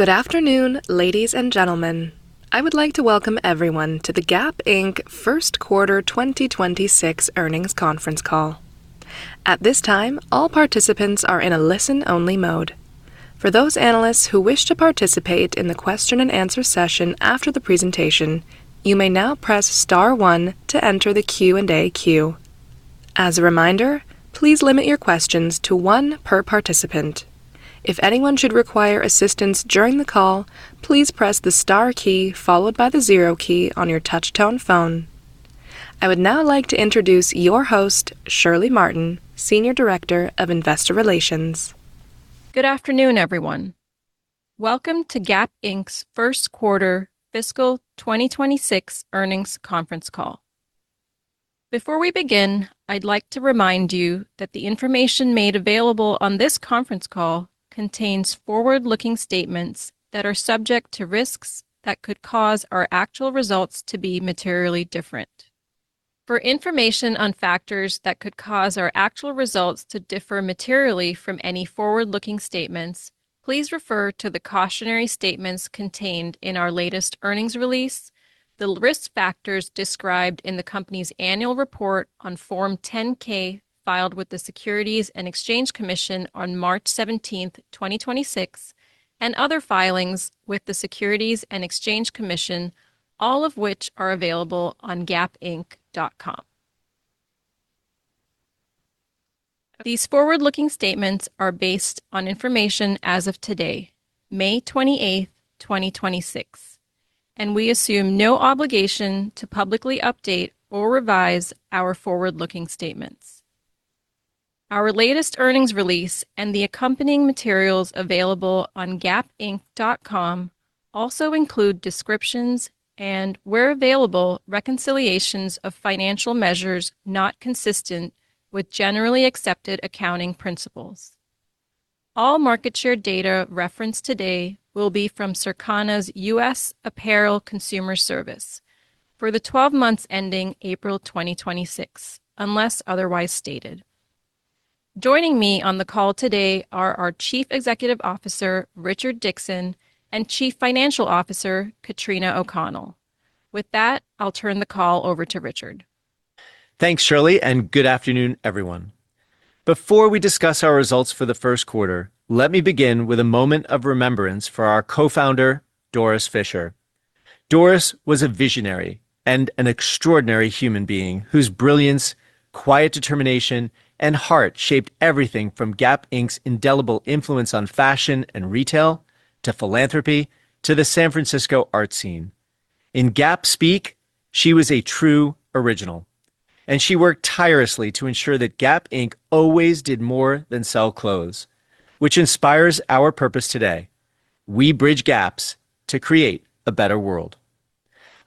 Good afternoon, ladies and gentlemen. I would like to welcome everyone to the Gap Inc. first quarter 2026 earnings conference call. At this time, all participants are in a listen only mode. For those analysts who wish to participate in the question-and-answer session after the presentation, you may now press star one to enter the Q&A queue. As a reminder, please limit your questions to one per participant. If anyone should require assistance during the call, please press the star key followed by the zero key on your touch tone phone. I would now like to introduce your host, Shirley Martin, Senior Director of Investor Relations. Good afternoon, everyone. Welcome to Gap Inc.'s first quarter fiscal 2026 earnings conference call. Before we begin, I'd like to remind you that the information made available on this conference call contains forward-looking statements that are subject to risks that could cause our actual results to be materially different. For information on factors that could cause our actual results to differ materially from any forward-looking statements, please refer to the cautionary statements contained in our latest earnings release, the risk factors described in the company's annual report on Form 10-K filed with the Securities and Exchange Commission on March 17th, 2026, and other filings with the Securities and Exchange Commission, all of which are available on gapinc.com. These forward-looking statements are based on information as of today, May 28th, 2026, and we assume no obligation to publicly update or revise our forward-looking statements. Our latest earnings release and the accompanying materials available on gapinc.com also include descriptions and, where available, reconciliations of financial measures not consistent with generally accepted accounting principles. All market share data referenced today will be from Circana's U.S. Apparel Consumer Service for the 12 months ending April 2026, unless otherwise stated. Joining me on the call today are our Chief Executive Officer, Richard Dickson, and Chief Financial Officer, Katrina O'Connell. With that, I'll turn the call over to Richard. Thanks, Shirley. Good afternoon, everyone. Before we discuss our results for the first quarter, let me begin with a moment of remembrance for our Co-founder, Doris Fisher. Doris was a visionary and an extraordinary human being whose brilliance, quiet determination, and heart shaped everything from Gap Inc.'s indelible influence on fashion and retail, to philanthropy, to the San Francisco art scene. In Gap speak, she was a true original, and she worked tirelessly to ensure that Gap Inc. always did more than sell clothes, which inspires our purpose today. We bridge gaps to create a better world.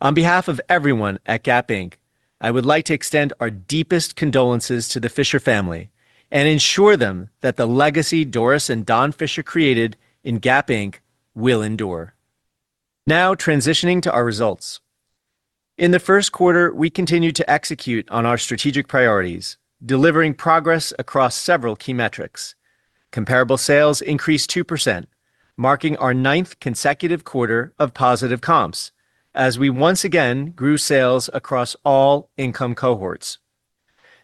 On behalf of everyone at Gap Inc., I would like to extend our deepest condolences to the Fisher family and ensure them that the legacy Doris and Don Fisher created in Gap Inc. will endure. Now transitioning to our results. In the first quarter, we continued to execute on our strategic priorities, delivering progress across several key metrics. Comparable sales increased 2%, marking our ninth consecutive quarter of positive comps as we once again grew sales across all income cohorts.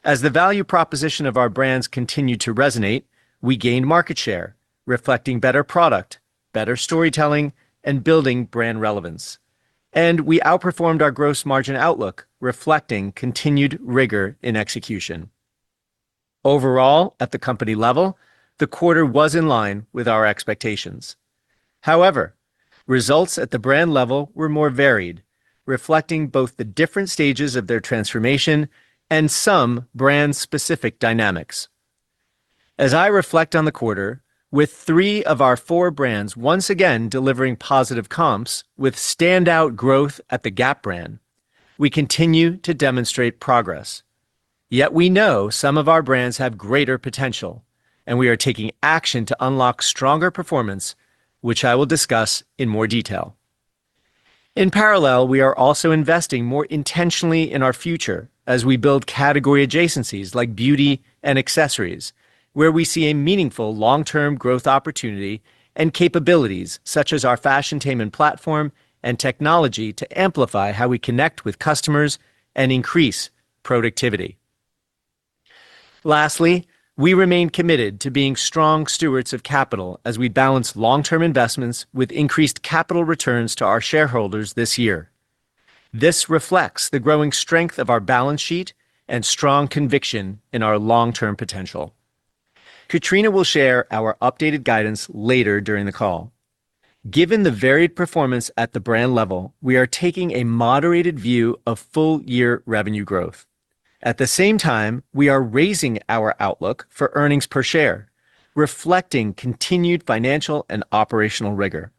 As the value proposition of our brands continued to resonate, we gained market share, reflecting better product, better storytelling, and building brand relevance. We outperformed our gross margin outlook, reflecting continued rigor in execution. Overall, at the company level, the quarter was in line with our expectations. However, results at the brand level were more varied, reflecting both the different stages of their transformation and some brand-specific dynamics. As I reflect on the quarter with three of our four brands once again delivering positive comps with standout growth at the Gap brand, we continue to demonstrate progress. Yet we know some of our brands have greater potential, and we are taking action to unlock stronger performance, which I will discuss in more detail. In parallel, we are also investing more intentionally in our future as we build category adjacencies like beauty and accessories, where we see a meaningful long-term growth opportunity and capabilities such as our Fashiontainment platform and technology to amplify how we connect with customers and increase productivity. Lastly, we remain committed to being strong stewards of capital as we balance long-term investments with increased capital returns to our shareholders this year. This reflects the growing strength of our balance sheet and strong conviction in our long-term potential. Katrina will share our updated guidance later during the call. Given the varied performance at the brand level, we are taking a moderated view of full year revenue growth. At the same time, we are raising our outlook for earnings per share, reflecting continued financial and operational rigor.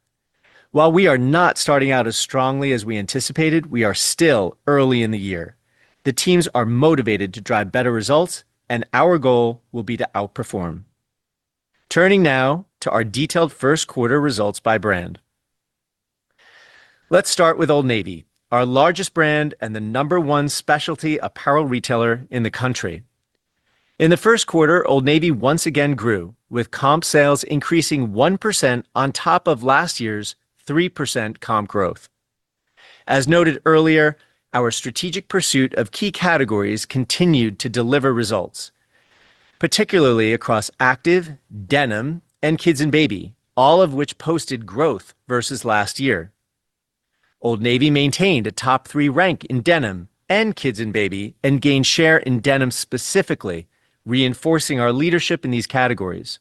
While we are not starting out as strongly as we anticipated, we are still early in the year. The teams are motivated to drive better results, and our goal will be to outperform. Turning now to our detailed first quarter results by brand. Let's start with Old Navy, our largest brand and the number one specialty apparel retailer in the country. In the first quarter, Old Navy once again grew, with comp sales increasing 1% on top of last year's 3% comp growth. As noted earlier, our strategic pursuit of key categories continued to deliver results, particularly across active, denim, and kids and baby, all of which posted growth versus last year. Old Navy maintained a top three rank in denim and kids and baby and gained share in denim, specifically, reinforcing our leadership in these categories.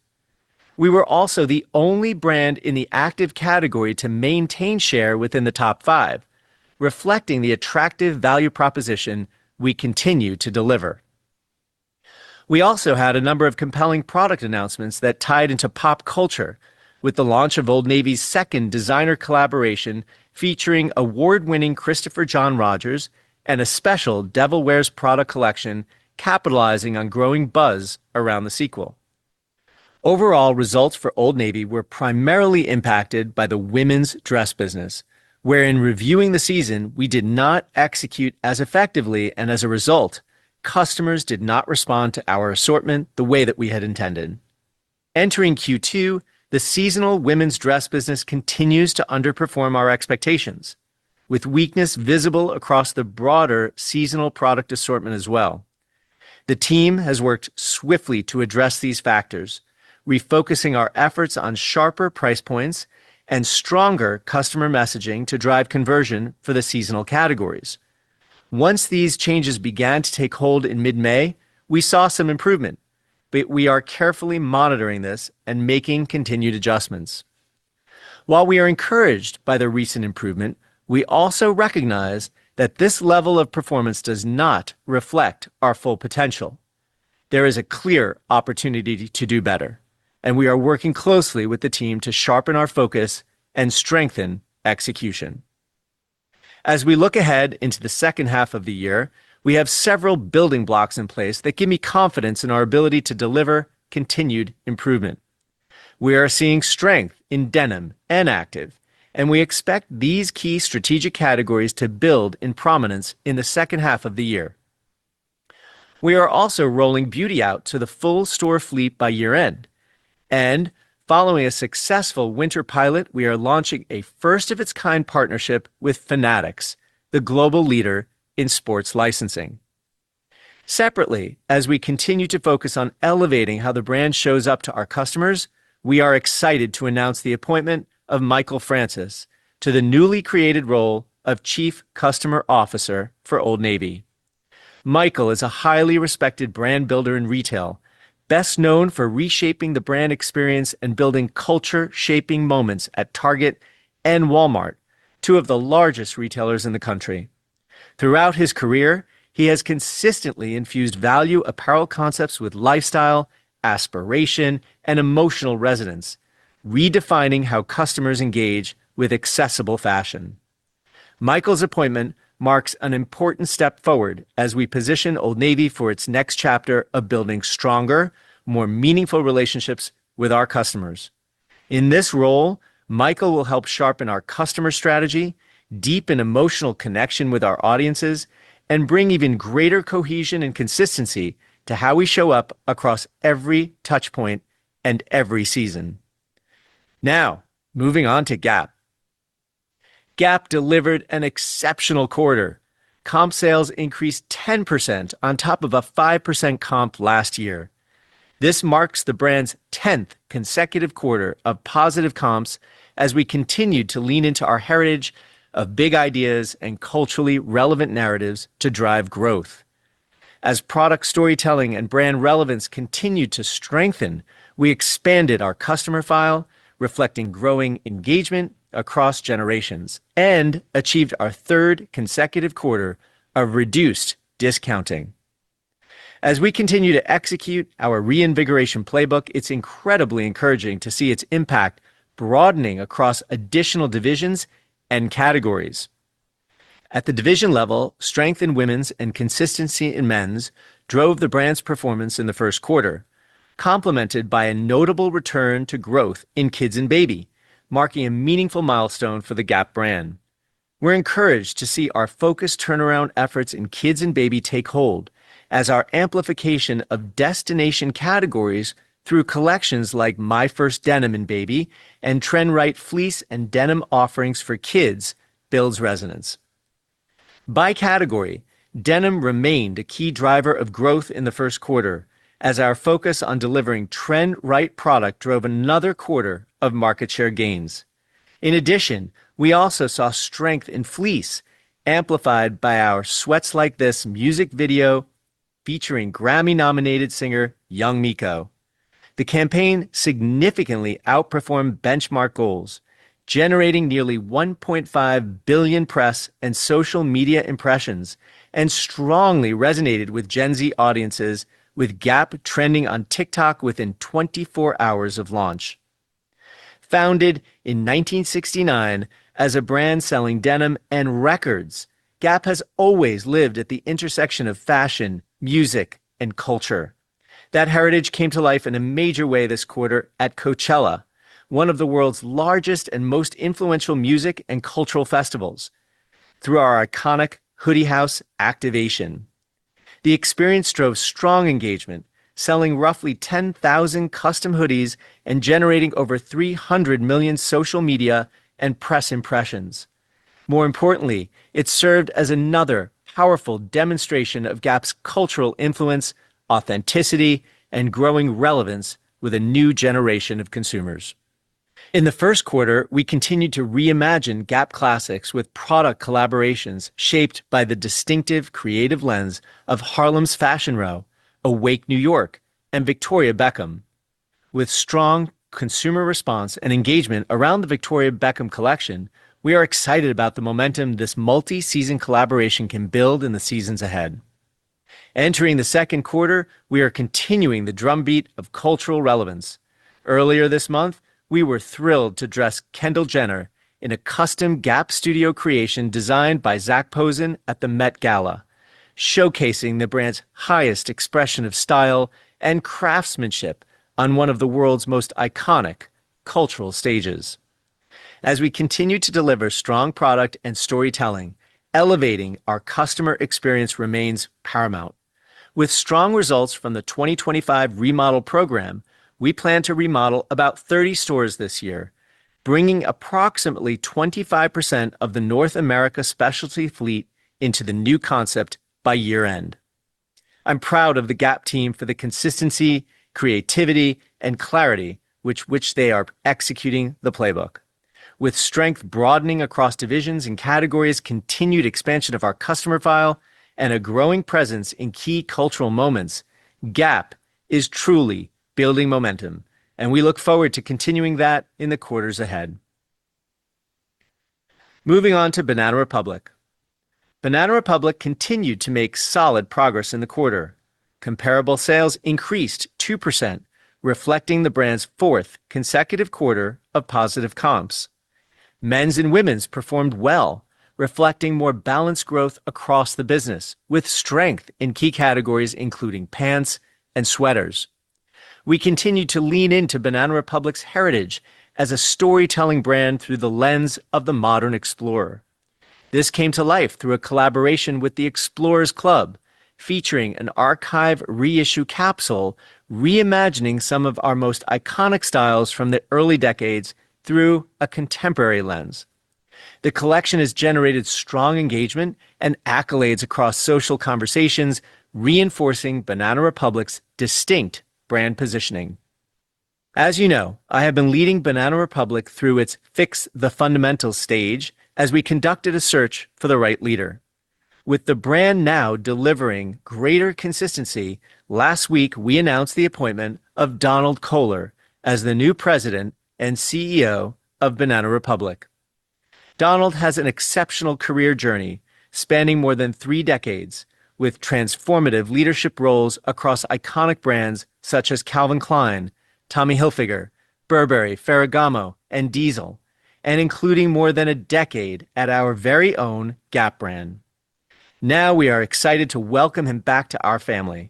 We were also the only brand in the active category to maintain share within the top five, reflecting the attractive value proposition we continue to deliver. We also had a number of compelling product announcements that tied into pop culture with the launch of Old Navy's second designer collaboration featuring award-winning Christopher John Rogers and a special "Devil Wears Prada" collection capitalizing on growing buzz around the sequel. Overall, results for Old Navy were primarily impacted by the women's dress business, where in reviewing the season, we did not execute as effectively, and as a result, customers did not respond to our assortment the way that we had intended. Entering Q2, the seasonal women's dress business continues to underperform our expectations, with weakness visible across the broader seasonal product assortment as well. The team has worked swiftly to address these factors, refocusing our efforts on sharper price points and stronger customer messaging to drive conversion for the seasonal categories. Once these changes began to take hold in mid-May, we saw some improvement, but we are carefully monitoring this and making continued adjustments. While we are encouraged by the recent improvement, we also recognize that this level of performance does not reflect our full potential. There is a clear opportunity to do better, and we are working closely with the team to sharpen our focus and strengthen execution. As we look ahead into the second half of the year, we have several building blocks in place that give me confidence in our ability to deliver continued improvement. We are seeing strength in denim and active, and we expect these key strategic categories to build in prominence in the second half of the year. We are also rolling beauty out to the full store fleet by year-end and following a successful winter pilot, we are launching a first-of-its-kind partnership with Fanatics, the global leader in sports licensing. Separately, as we continue to focus on elevating how the brand shows up to our customers, we are excited to announce the appointment of Michael Francis to the newly created role of Chief Customer Officer for Old Navy. Michael is a highly respected brand builder in retail, best known for reshaping the brand experience and building culture-shaping moments at Target and Walmart, two of the largest retailers in the country. Throughout his career, he has consistently infused value apparel concepts with lifestyle, aspiration, and emotional resonance, redefining how customers engage with accessible fashion. Michael's appointment marks an important step forward as we position Old Navy for its next chapter of building stronger, more meaningful relationships with our customers. In this role, Michael will help sharpen our customer strategy, deepen emotional connection with our audiences, and bring even greater cohesion and consistency to how we show up across every touchpoint and every season. Now, moving on to Gap. Gap delivered an exceptional quarter. Comp sales increased 10% on top of a 5% comp last year. This marks the brand's 10th consecutive quarter of positive comps as we continued to lean into our heritage of big ideas and culturally relevant narratives to drive growth. As product storytelling and brand relevance continued to strengthen, we expanded our customer file, reflecting growing engagement across generations, and achieved our third consecutive quarter of reduced discounting. As we continue to execute our reinvigoration playbook, it's incredibly encouraging to see its impact broadening across additional divisions and categories. At the division level, strength in women's and consistency in men's drove the brand's performance in the first quarter, complemented by a notable return to growth in kids and baby, marking a meaningful milestone for the Gap brand. We're encouraged to see our focused turnaround efforts in kids and baby take hold as our amplification of destination categories through collections like My First Denim in Baby and Trend Right fleece and denim offerings for kids builds resonance. By category, denim remained a key driver of growth in the first quarter as our focus on delivering trend-right product drove another quarter of market share gains. In addition, we also saw strength in fleece amplified by our Sweats Like This music video featuring Grammy-nominated singer Young Miko. The campaign significantly outperformed benchmark goals, generating nearly 1.5 billion press and social media impressions and strongly resonated with Gen Z audiences with Gap trending on TikTok within 24 hours of launch. Founded in 1969 as a brand selling denim and records, Gap has always lived at the intersection of fashion, music, and culture. That heritage came to life in a major way this quarter at Coachella, one of the world's largest and most influential music and cultural festivals, through our iconic Hoodie House activation. The experience drove strong engagement, selling roughly 10,000 custom hoodies and generating over 300 million social media and press impressions. More importantly, it served as another powerful demonstration of Gap's cultural influence, authenticity, and growing relevance with a new generation of consumers. In the first quarter, we continued to reimagine Gap classics with product collaborations shaped by the distinctive creative lens of Harlem's Fashion Row, Awake New York, and Victoria Beckham. With strong consumer response and engagement around the Victoria Beckham collection, we are excited about the momentum this multi-season collaboration can build in the seasons ahead. Entering the second quarter, we are continuing the drumbeat of cultural relevance. Earlier this month, we were thrilled to dress Kendall Jenner in a custom Gap Studio creation designed by Zac Posen at the Met Gala, showcasing the brand's highest expression of style and craftsmanship on one of the world's most iconic cultural stages. As we continue to deliver strong product and storytelling, elevating our customer experience remains paramount. With strong results from the 2025 remodel program, we plan to remodel about 30 stores this year, bringing approximately 25% of the North America specialty fleet into the new concept by year-end. I'm proud of the Gap team for the consistency, creativity, and clarity with which they are executing the playbook. With strength broadening across divisions and categories, continued expansion of our customer file, and a growing presence in key cultural moments, Gap is truly building momentum. We look forward to continuing that in the quarters ahead. Moving on to Banana Republic. Banana Republic continued to make solid progress in the quarter. Comparable sales increased 2%, reflecting the brand's fourth consecutive quarter of positive comps. Men's and women's performed well, reflecting more balanced growth across the business, with strength in key categories, including pants and sweaters. We continued to lean into Banana Republic's heritage as a storytelling brand through the lens of the modern explorer. This came to life through a collaboration with The Explorers Club, featuring an archive reissue capsule reimagining some of our most iconic styles from the early decades through a contemporary lens. The collection has generated strong engagement and accolades across social conversations, reinforcing Banana Republic's distinct brand positioning. As you know, I have been leading Banana Republic through its fix the fundamentals stage as we conducted a search for the right leader. With the brand now delivering greater consistency, last week, we announced the appointment of Donald Kohler as the new President and CEO of Banana Republic. Donald has an exceptional career journey, spanning more than three decades, with transformative leadership roles across iconic brands such as Calvin Klein, Tommy Hilfiger, Burberry, Ferragamo, and Diesel, and including more than a decade at our very own Gap brand. We are excited to welcome him back to our family.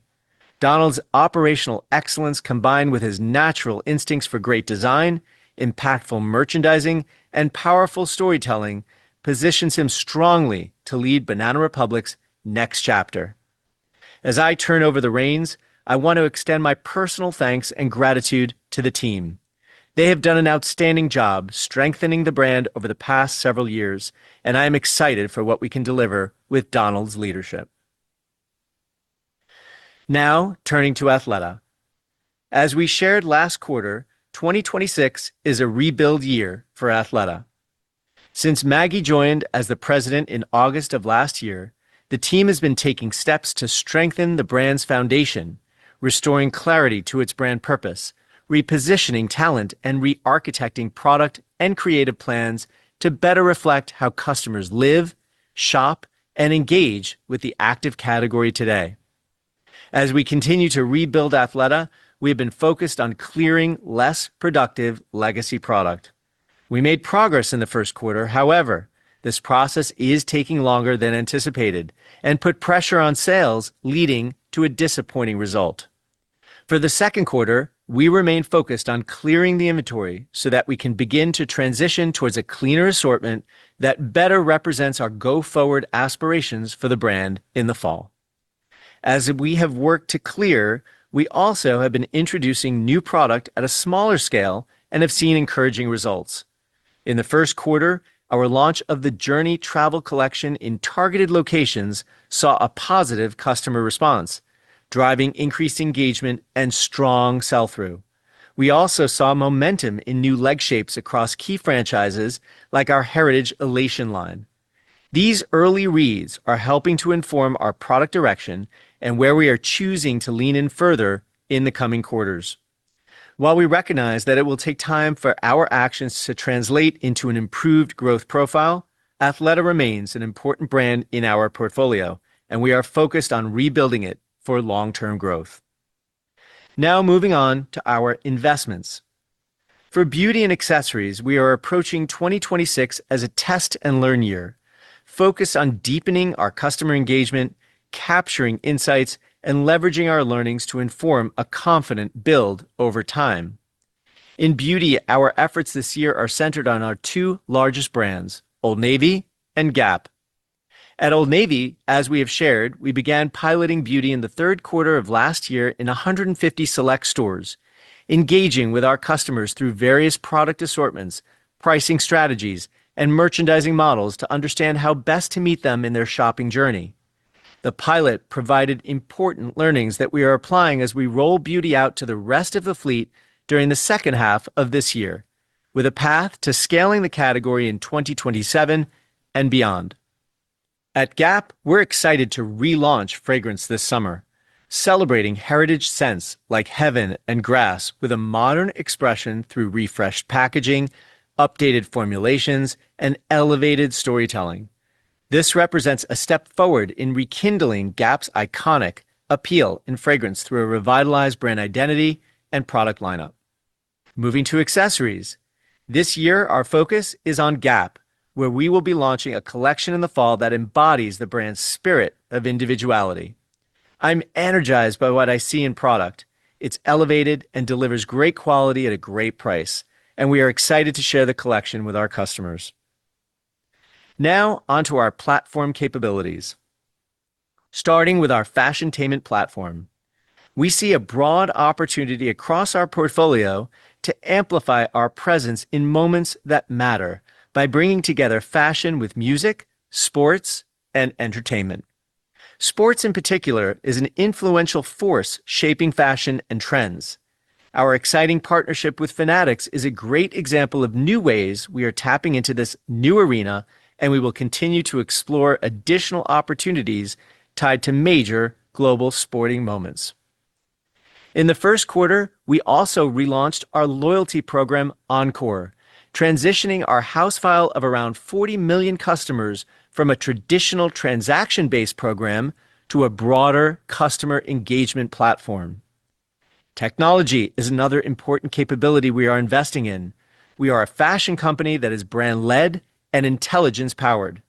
Donald's operational excellence, combined with his natural instincts for great design, impactful merchandising, and powerful storytelling, positions him strongly to lead Banana Republic's next chapter. As I turn over the reins, I want to extend my personal thanks and gratitude to the team. They have done an outstanding job strengthening the brand over the past several years, and I am excited for what we can deliver with Donald's leadership. Turning to Athleta. As we shared last quarter, 2026 is a rebuild year for Athleta. Since Maggie joined as the president in August of last year, the team has been taking steps to strengthen the brand's foundation, restoring clarity to its brand purpose, repositioning talent, and re-architecting product and creative plans to better reflect how customers live, shop, and engage with the active category today. As we continue to rebuild Athleta, we have been focused on clearing less productive legacy product. We made progress in the first quarter. This process is taking longer than anticipated and put pressure on sales, leading to a disappointing result. For the second quarter, we remain focused on clearing the inventory so that we can begin to transition towards a cleaner assortment that better represents our go-forward aspirations for the brand in the fall. As we have worked to clear, we also have been introducing new product at a smaller scale and have seen encouraging results. In the first quarter, our launch of the Journey travel collection in targeted locations saw a positive customer response, driving increased engagement and strong sell-through. We also saw momentum in new leg shapes across key franchises like our heritage Elation line. These early reads are helping to inform our product direction and where we are choosing to lean in further in the coming quarters. While we recognize that it will take time for our actions to translate into an improved growth profile, Athleta remains an important brand in our portfolio, and we are focused on rebuilding it for long-term growth. Now moving on to our investments. For beauty and accessories, we are approaching 2026 as a test-and-learn year. Focused on deepening our customer engagement, capturing insights, and leveraging our learnings to inform a confident build over time. In beauty, our efforts this year are centered on our two largest brands, Old Navy and Gap. At Old Navy, as we have shared, we began piloting beauty in the third quarter of last year in 150 select stores, engaging with our customers through various product assortments, pricing strategies, and merchandising models to understand how best to meet them in their shopping journey. The pilot provided important learnings that we are applying as we roll beauty out to the rest of the fleet during the second half of this year, with a path to scaling the category in 2027 and beyond. At Gap, we're excited to relaunch fragrance this summer, celebrating heritage scents like Heaven and Grass with a modern expression through refreshed packaging, updated formulations, and elevated storytelling. This represents a step forward in rekindling Gap's iconic appeal in fragrance through a revitalized brand identity and product lineup. Moving to accessories. This year, our focus is on Gap, where we will be launching a collection in the fall that embodies the brand's spirit of individuality. I'm energized by what I see in product. It's elevated and delivers great quality at a great price, and we are excited to share the collection with our customers. Now, on to our platform capabilities. Starting with our Fashiontainment platform. We see a broad opportunity across our portfolio to amplify our presence in moments that matter by bringing together fashion with music, sports, and entertainment. Sports, in particular, is an influential force shaping fashion and trends. Our exciting partnership with Fanatics is a great example of new ways we are tapping into this new arena, and we will continue to explore additional opportunities tied to major global sporting moments. In the first quarter, we also relaunched our loyalty program, Encore, transitioning our house file of around 40 million customers from a traditional transaction-based program to a broader customer engagement platform. Technology is another important capability we are investing in. We are a fashion company that is brand-led and intelligence-powered.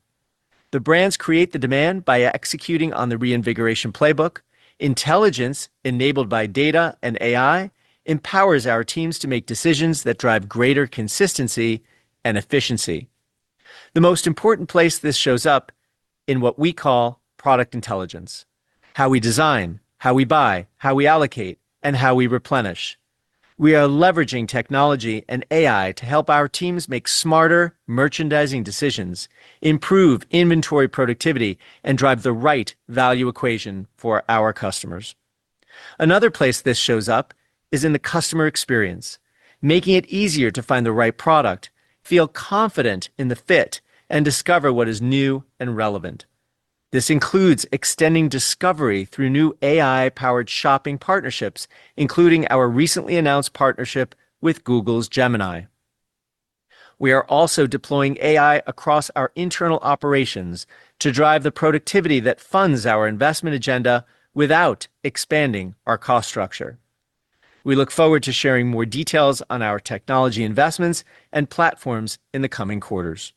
The brands create the demand by executing on the reinvigoration playbook. Intelligence enabled by data and AI empowers our teams to make decisions that drive greater consistency and efficiency. The most important place this shows up in what we call product intelligence. How we design, how we buy, how we allocate, and how we replenish. We are leveraging technology and AI to help our teams make smarter merchandising decisions, improve inventory productivity, and drive the right value equation for our customers. Another place this shows up is in the customer experience, making it easier to find the right product, feel confident in the fit, and discover what is new and relevant. This includes extending discovery through new AI-powered shopping partnerships, including our recently announced partnership with Google's Gemini. We are also deploying AI across our internal operations to drive the productivity that funds our investment agenda without expanding our cost structure. We look forward to sharing more details on our technology investments and platforms in the coming quarters.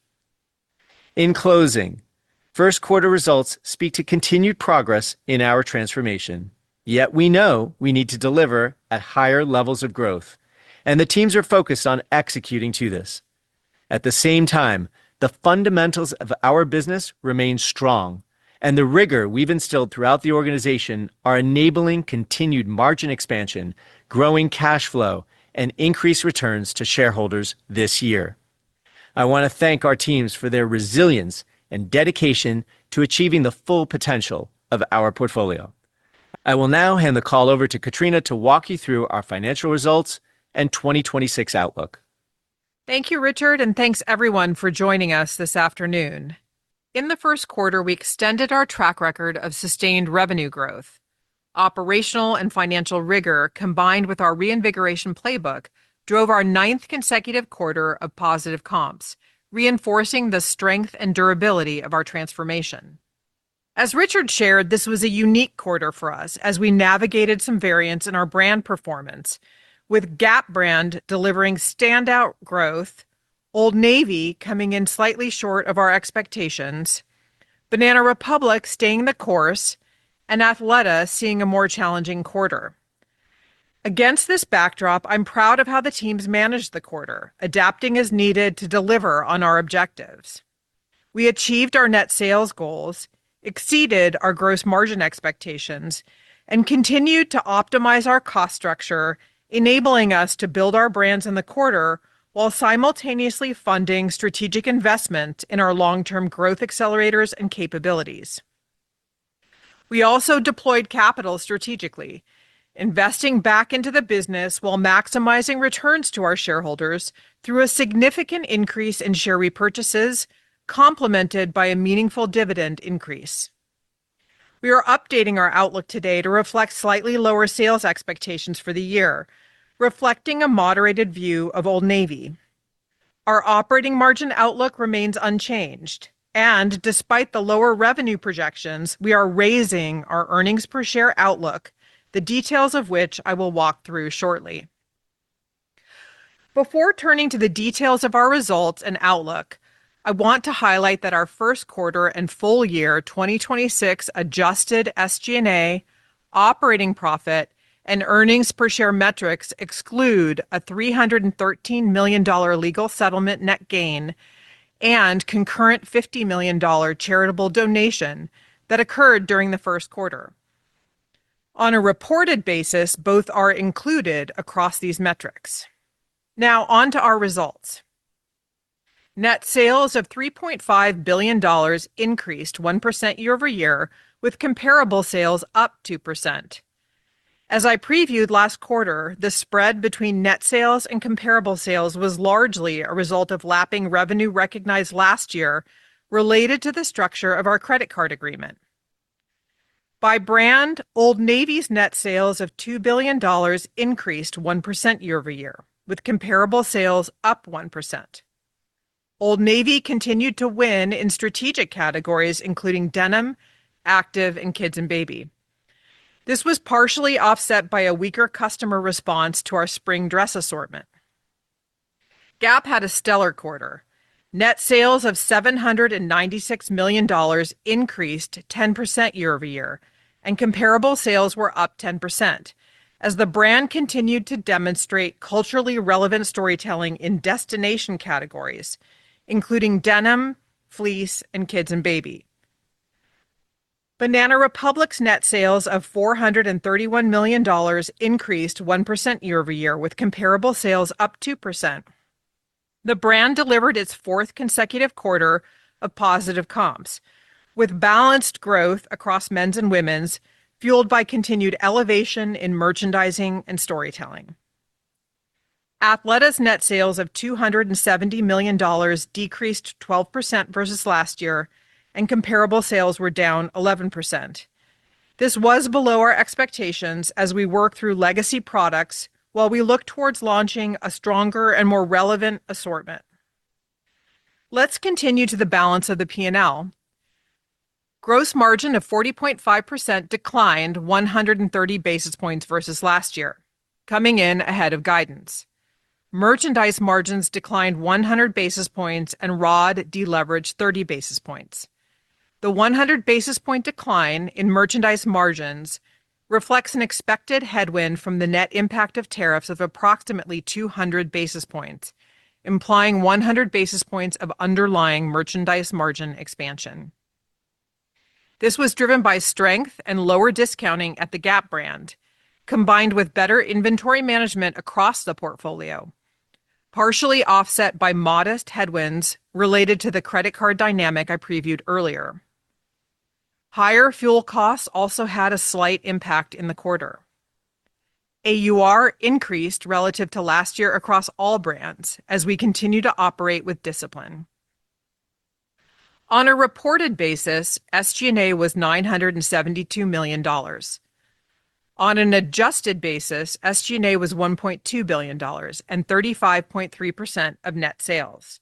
In closing, first quarter results speak to continued progress in our transformation. Yet we know we need to deliver at higher levels of growth, and the teams are focused on executing to this. At the same time, the fundamentals of our business remain strong, and the rigor we've instilled throughout the organization are enabling continued margin expansion, growing cash flow, and increased returns to shareholders this year. I want to thank our teams for their resilience and dedication to achieving the full potential of our portfolio. I will now hand the call over to Katrina O'Connell to walk you through our financial results and 2026 outlook. Thank you, Richard, and thanks everyone for joining us this afternoon. In the first quarter, we extended our track record of sustained revenue growth. Operational and financial rigor, combined with our reinvigoration playbook, drove our ninth consecutive quarter of positive comps, reinforcing the strength and durability of our transformation. As Richard shared, this was a unique quarter for us as we navigated some variance in our brand performance. With Gap brand delivering standout growth, Old Navy coming in slightly short of our expectations, Banana Republic staying the course, and Athleta seeing a more challenging quarter. Against this backdrop, I'm proud of how the teams managed the quarter, adapting as needed to deliver on our objectives. We achieved our net sales goals, exceeded our gross margin expectations, and continued to optimize our cost structure, enabling us to build our brands in the quarter while simultaneously funding strategic investment in our long-term growth accelerators and capabilities. We also deployed capital strategically, investing back into the business while maximizing returns to our shareholders through a significant increase in share repurchases, complemented by a meaningful dividend increase. We are updating our outlook today to reflect slightly lower sales expectations for the year, reflecting a moderated view of Old Navy. Our operating margin outlook remains unchanged, and despite the lower revenue projections, we are raising our earnings per share outlook, the details of which I will walk through shortly. Before turning to the details of our results and outlook, I want to highlight that our first quarter and full year 2026 adjusted SG&A operating profit and earnings per share metrics exclude a $313 million legal settlement net gain and concurrent $50 million charitable donation that occurred during the first quarter. On a reported basis, both are included across these metrics. On to our results. Net sales of $3.5 billion increased 1% year-over-year, with comparable sales up 2%. As I previewed last quarter, the spread between net sales and comparable sales was largely a result of lapping revenue recognized last year related to the structure of our credit card agreement. By brand, Old Navy's net sales of $2 billion increased 1% year-over-year, with comparable sales up 1%. Old Navy continued to win in strategic categories including denim, active, and kids and baby. This was partially offset by a weaker customer response to our spring dress assortment. Gap had a stellar quarter. Net sales of $796 million increased 10% year-over-year, and comparable sales were up 10% as the brand continued to demonstrate culturally relevant storytelling in destination categories, including denim, fleece, and kids and baby. Banana Republic's net sales of $431 million increased 1% year-over-year, with comparable sales up 2%. The brand delivered its fourth consecutive quarter of positive comps with balanced growth across men's and women's, fueled by continued elevation in merchandising and storytelling. Athleta's net sales of $270 million decreased 12% versus last year, and comparable sales were down 11%. This was below our expectations as we work through legacy products while we look towards launching a stronger and more relevant assortment. Let's continue to the balance of the P&L. Gross margin of 40.5% declined 130 basis points versus last year, coming in ahead of guidance. Merchandise margins declined 100 basis points and ROD deleveraged 30 basis points. The 100 basis point decline in merchandise margins reflects an expected headwind from the net impact of tariffs of approximately 200 basis points, implying 100 basis points of underlying merchandise margin expansion. This was driven by strength and lower discounting at the Gap brand, combined with better inventory management across the portfolio, partially offset by modest headwinds related to the credit card dynamic I previewed earlier. Higher fuel costs also had a slight impact in the quarter. AUR increased relative to last year across all brands as we continue to operate with discipline. On a reported basis, SG&A was $972 million. On an adjusted basis, SG&A was $1.2 billion and 35.3% of net sales.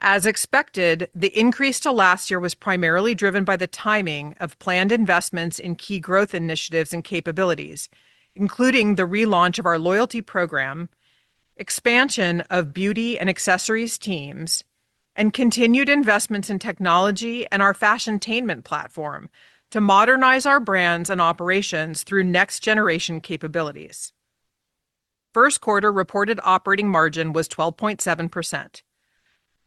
As expected, the increase to last year was primarily driven by the timing of planned investments in key growth initiatives and capabilities, including the relaunch of our loyalty program, expansion of beauty and accessories teams, and continued investments in technology and our Fashiontainment platform to modernize our brands and operations through next-generation capabilities. First quarter reported operating margin was 12.7%.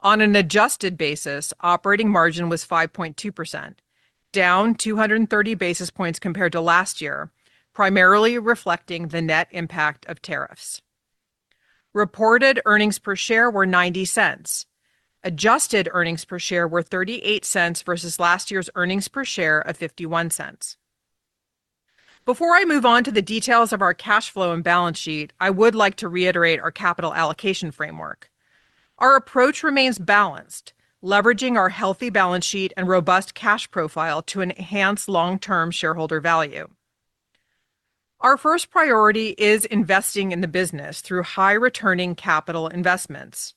On an adjusted basis, operating margin was 5.2%, down 230 basis points compared to last year, primarily reflecting the net impact of tariffs. Reported earnings per share were $0.90. Adjusted earnings per share were $0.38 versus last year's earnings per share of $0.51. Before I move on to the details of our cash flow and balance sheet, I would like to reiterate our capital allocation framework. Our approach remains balanced, leveraging our healthy balance sheet and robust cash profile to enhance long-term shareholder value. Our first priority is investing in the business through high-returning capital investments.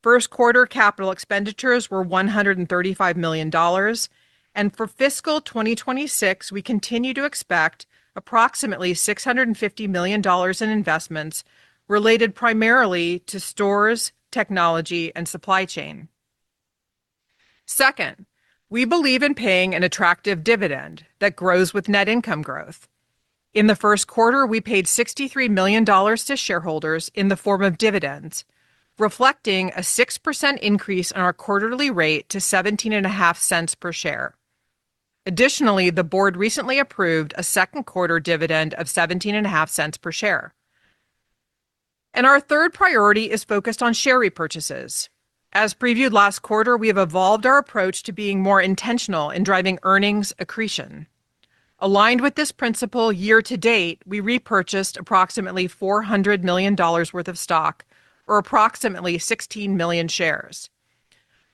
For fiscal 2026, we continue to expect approximately $650 million in investments related primarily to stores, technology, and supply chain. Second, we believe in paying an attractive dividend that grows with net income growth. In the first quarter, we paid $63 million to shareholders in the form of dividends, reflecting a 6% increase in our quarterly rate to $0.175 per share. Additionally, the board recently approved a second quarter dividend of $0.175 per share. Our third priority is focused on share repurchases. As previewed last quarter, we have evolved our approach to being more intentional in driving earnings accretion. Aligned with this principle, year to date, we repurchased approximately $400 million worth of stock, or approximately 16 million shares.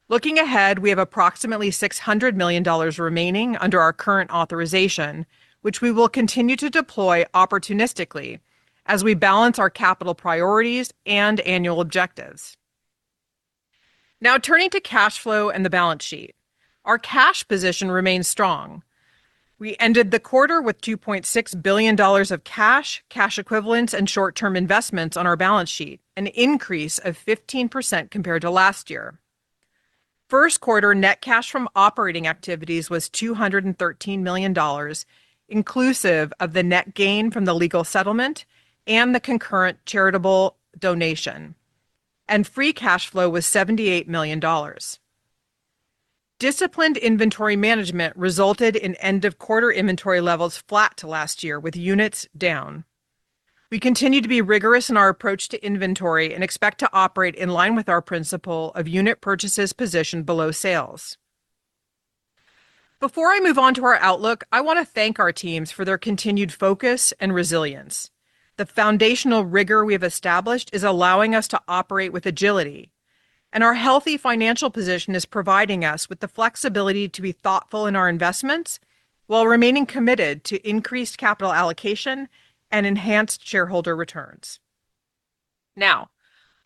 Looking ahead, we have approximately $600 million remaining under our current authorization, which we will continue to deploy opportunistically as we balance our capital priorities and annual objectives. Now turning to cash flow and the balance sheet. Our cash position remains strong. We ended the quarter with $2.6 billion of cash equivalents, and short-term investments on our balance sheet, an increase of 15% compared to last year. First quarter net cash from operating activities was $213 million, inclusive of the net gain from the legal settlement and the concurrent charitable donation. Free cash flow was $78 million. Disciplined inventory management resulted in end of quarter inventory levels flat to last year, with units down. We continue to be rigorous in our approach to inventory and expect to operate in line with our principle of unit purchases positioned below sales. Before I move on to our outlook, I want to thank our teams for their continued focus and resilience. The foundational rigor we have established is allowing us to operate with agility, and our healthy financial position is providing us with the flexibility to be thoughtful in our investments while remaining committed to increased capital allocation and enhanced shareholder returns. Now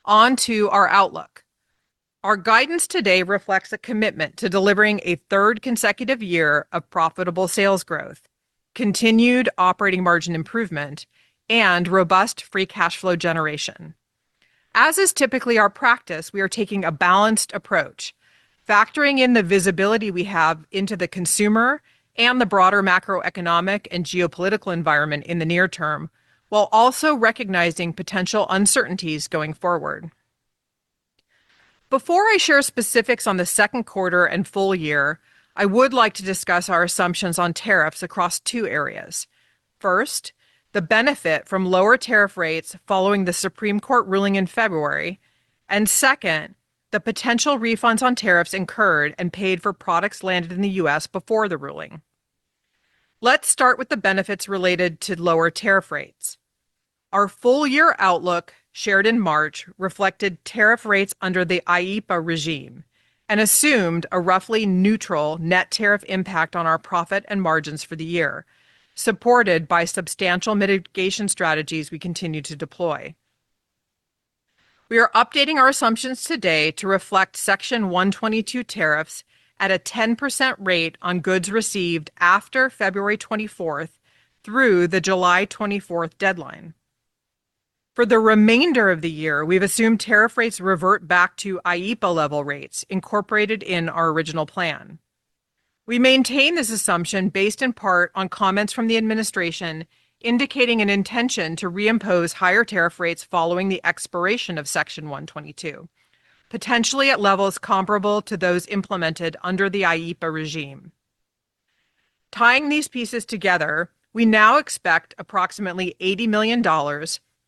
on to our outlook. Our guidance today reflects a commitment to delivering a third consecutive year of profitable sales growth, continued operating margin improvement, and robust free cash flow generation. As is typically our practice, we are taking a balanced approach, factoring in the visibility we have into the consumer and the broader macroeconomic and geopolitical environment in the near term, while also recognizing potential uncertainties going forward. Before I share specifics on the second quarter and full year, I would like to discuss our assumptions on tariffs across two areas. First, the benefit from lower tariff rates following the Supreme Court ruling in February, and second, the potential refunds on tariffs incurred and paid for products landed in the U.S. before the ruling. Let's start with the benefits related to lower tariff rates. Our full-year outlook, shared in March, reflected tariff rates under the IEEPA regime and assumed a roughly neutral net tariff impact on our profit and margins for the year, supported by substantial mitigation strategies we continue to deploy. We are updating our assumptions today to reflect Section 122 tariffs at a 10% rate on goods received after February 24th through the July 24th deadline. For the remainder of the year, we've assumed tariff rates revert back to IEEPA level rates incorporated in our original plan. We maintain this assumption based in part on comments from the administration indicating an intention to reimpose higher tariff rates following the expiration of Section 301, potentially at levels comparable to those implemented under the IEEPA regime. Tying these pieces together, we now expect approximately $80 million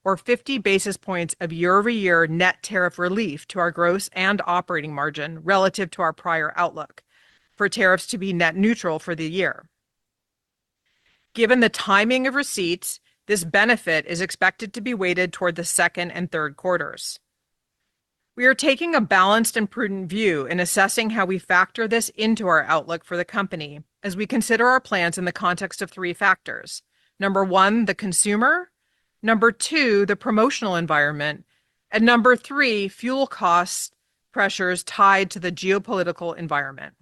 or 50 basis points of year-over-year net tariff relief to our gross and operating margin relative to our prior outlook for tariffs to be net neutral for the year. Given the timing of receipts, this benefit is expected to be weighted toward the second and third quarters. We are taking a balanced and prudent view in assessing how we factor this into our outlook for the company as we consider our plans in the context of three factors. Number one, the consumer, number two, the promotional environment, and number three, fuel cost pressures tied to the geopolitical environment.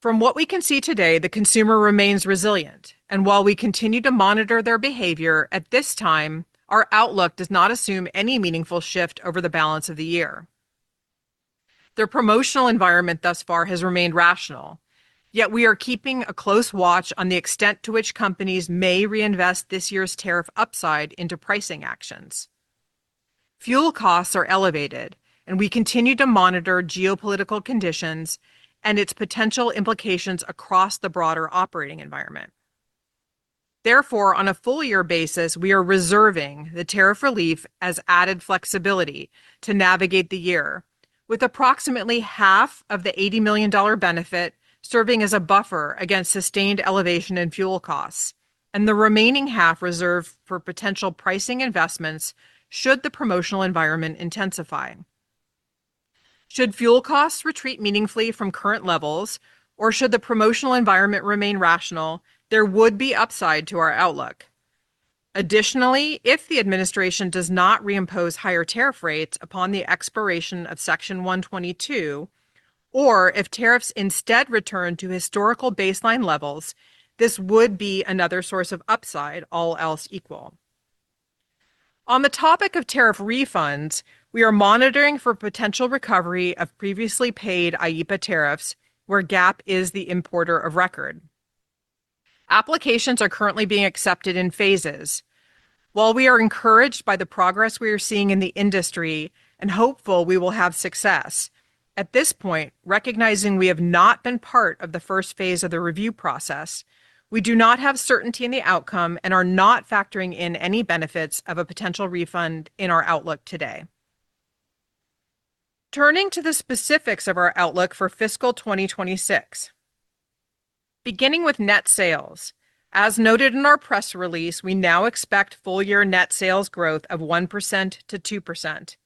From what we can see today, the consumer remains resilient, and while we continue to monitor their behavior, at this time, our outlook does not assume any meaningful shift over the balance of the year. The promotional environment thus far has remained rational, yet we are keeping a close watch on the extent to which companies may reinvest this year's tariff upside into pricing actions. Fuel costs are elevated, and we continue to monitor geopolitical conditions and its potential implications across the broader operating environment. Therefore, on a full year basis, we are reserving the tariff relief as added flexibility to navigate the year with approximately half of the $80 million benefit serving as a buffer against sustained elevation in fuel costs, and the remaining half reserved for potential pricing investments should the promotional environment intensify. Should fuel costs retreat meaningfully from current levels, or should the promotional environment remain rational, there would be upside to our outlook. Additionally, if the administration does not reimpose higher tariff rates upon the expiration of Section 122, or if tariffs instead return to historical baseline levels, this would be another source of upside, all else equal. On the topic of tariff refunds, we are monitoring for potential recovery of previously paid IEEPA tariffs where Gap is the importer of record. Applications are currently being accepted in phases. While we are encouraged by the progress we are seeing in the industry and hopeful we will have success, at this point, recognizing we have not been part of the first phase of the review process, we do not have certainty in the outcome and are not factoring in any benefits of a potential refund in our outlook today. Turning to the specifics of our outlook for fiscal 2026. Beginning with net sales. As noted in our press release, we now expect full-year net sales growth of 1%-2%.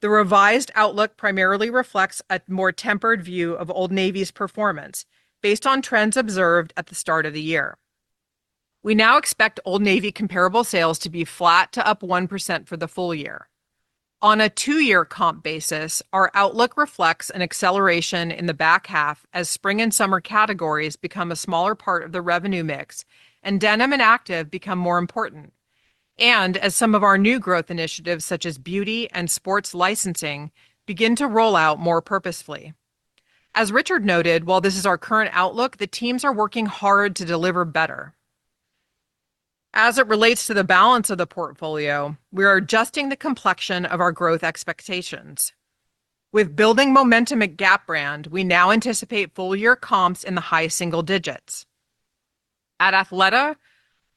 The revised outlook primarily reflects a more tempered view of Old Navy's performance based on trends observed at the start of the year. We now expect Old Navy comparable sales to be flat to up 1% for the full year. On a two-year comp basis, our outlook reflects an acceleration in the back half as spring and summer categories become a smaller part of the revenue mix and denim and active become more important, and as some of our new growth initiatives, such as beauty and sports licensing, begin to roll out more purposefully. As Richard noted, while this is our current outlook, the teams are working hard to deliver better. As it relates to the balance of the portfolio, we are adjusting the complexion of our growth expectations. With building momentum at Gap brand, we now anticipate full-year comps in the high single digits. At Athleta,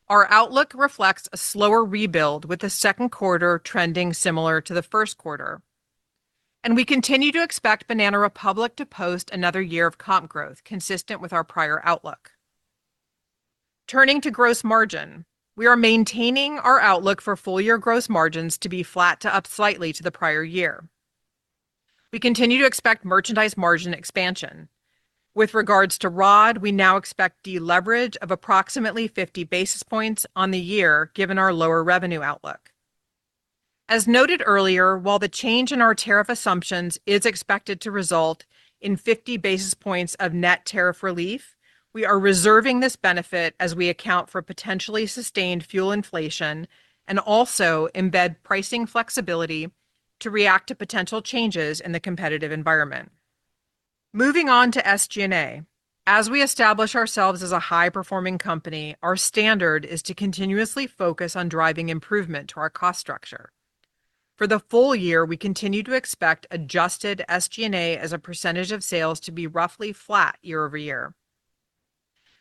our outlook reflects a slower rebuild with the second quarter trending similar to the first quarter. We continue to expect Banana Republic to post another year of comp growth consistent with our prior outlook. Turning to gross margin, we are maintaining our outlook for full-year gross margins to be flat to up slightly to the prior year. We continue to expect merchandise margin expansion. With regards to ROD, we now expect deleverage of approximately 50 basis points on the year, given our lower revenue outlook. As noted earlier, while the change in our tariff assumptions is expected to result in 50 basis points of net tariff relief, we are reserving this benefit as we account for potentially sustained fuel inflation and also embed pricing flexibility to react to potential changes in the competitive environment. Moving on to SG&A. As we establish ourselves as a high-performing company, our standard is to continuously focus on driving improvement to our cost structure. For the full year, we continue to expect adjusted SG&A as a % of sales to be roughly flat year-over-year.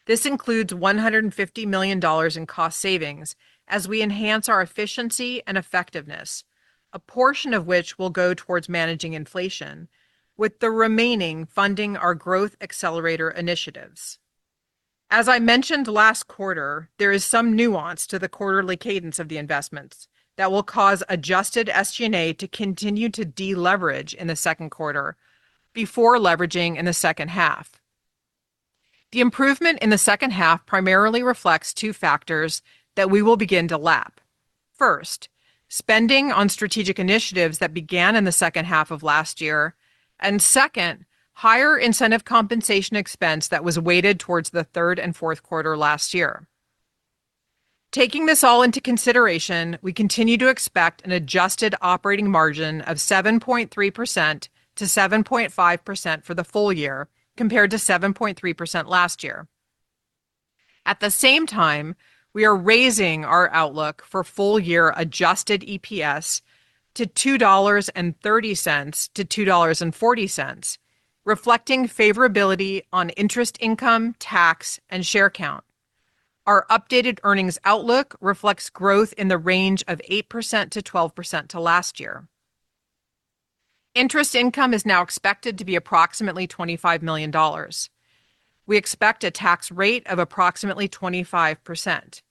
This includes $150 million in cost savings as we enhance our efficiency and effectiveness, a portion of which will go towards managing inflation, with the remaining funding our growth accelerator initiatives. As I mentioned last quarter, there is some nuance to the quarterly cadence of the investments that will cause adjusted SG&A to continue to deleverage in the second quarter before leveraging in the second half. The improvement in the second half primarily reflects two factors that we will begin to lap. First, spending on strategic initiatives that began in the second half of last year, and second, higher incentive compensation expense that was weighted towards the third and fourth quarter last year. Taking this all into consideration, we continue to expect an adjusted operating margin of 7.3%-7.5% for the full year, compared to 7.3% last year. At the same time, we are raising our outlook for full-year adjusted EPS to $2.30-$2.40, reflecting favorability on interest income, tax, and share count. Our updated earnings outlook reflects growth in the range of 8%-12% to last year. Interest income is now expected to be approximately $25 million. We expect a tax rate of approximately 25%.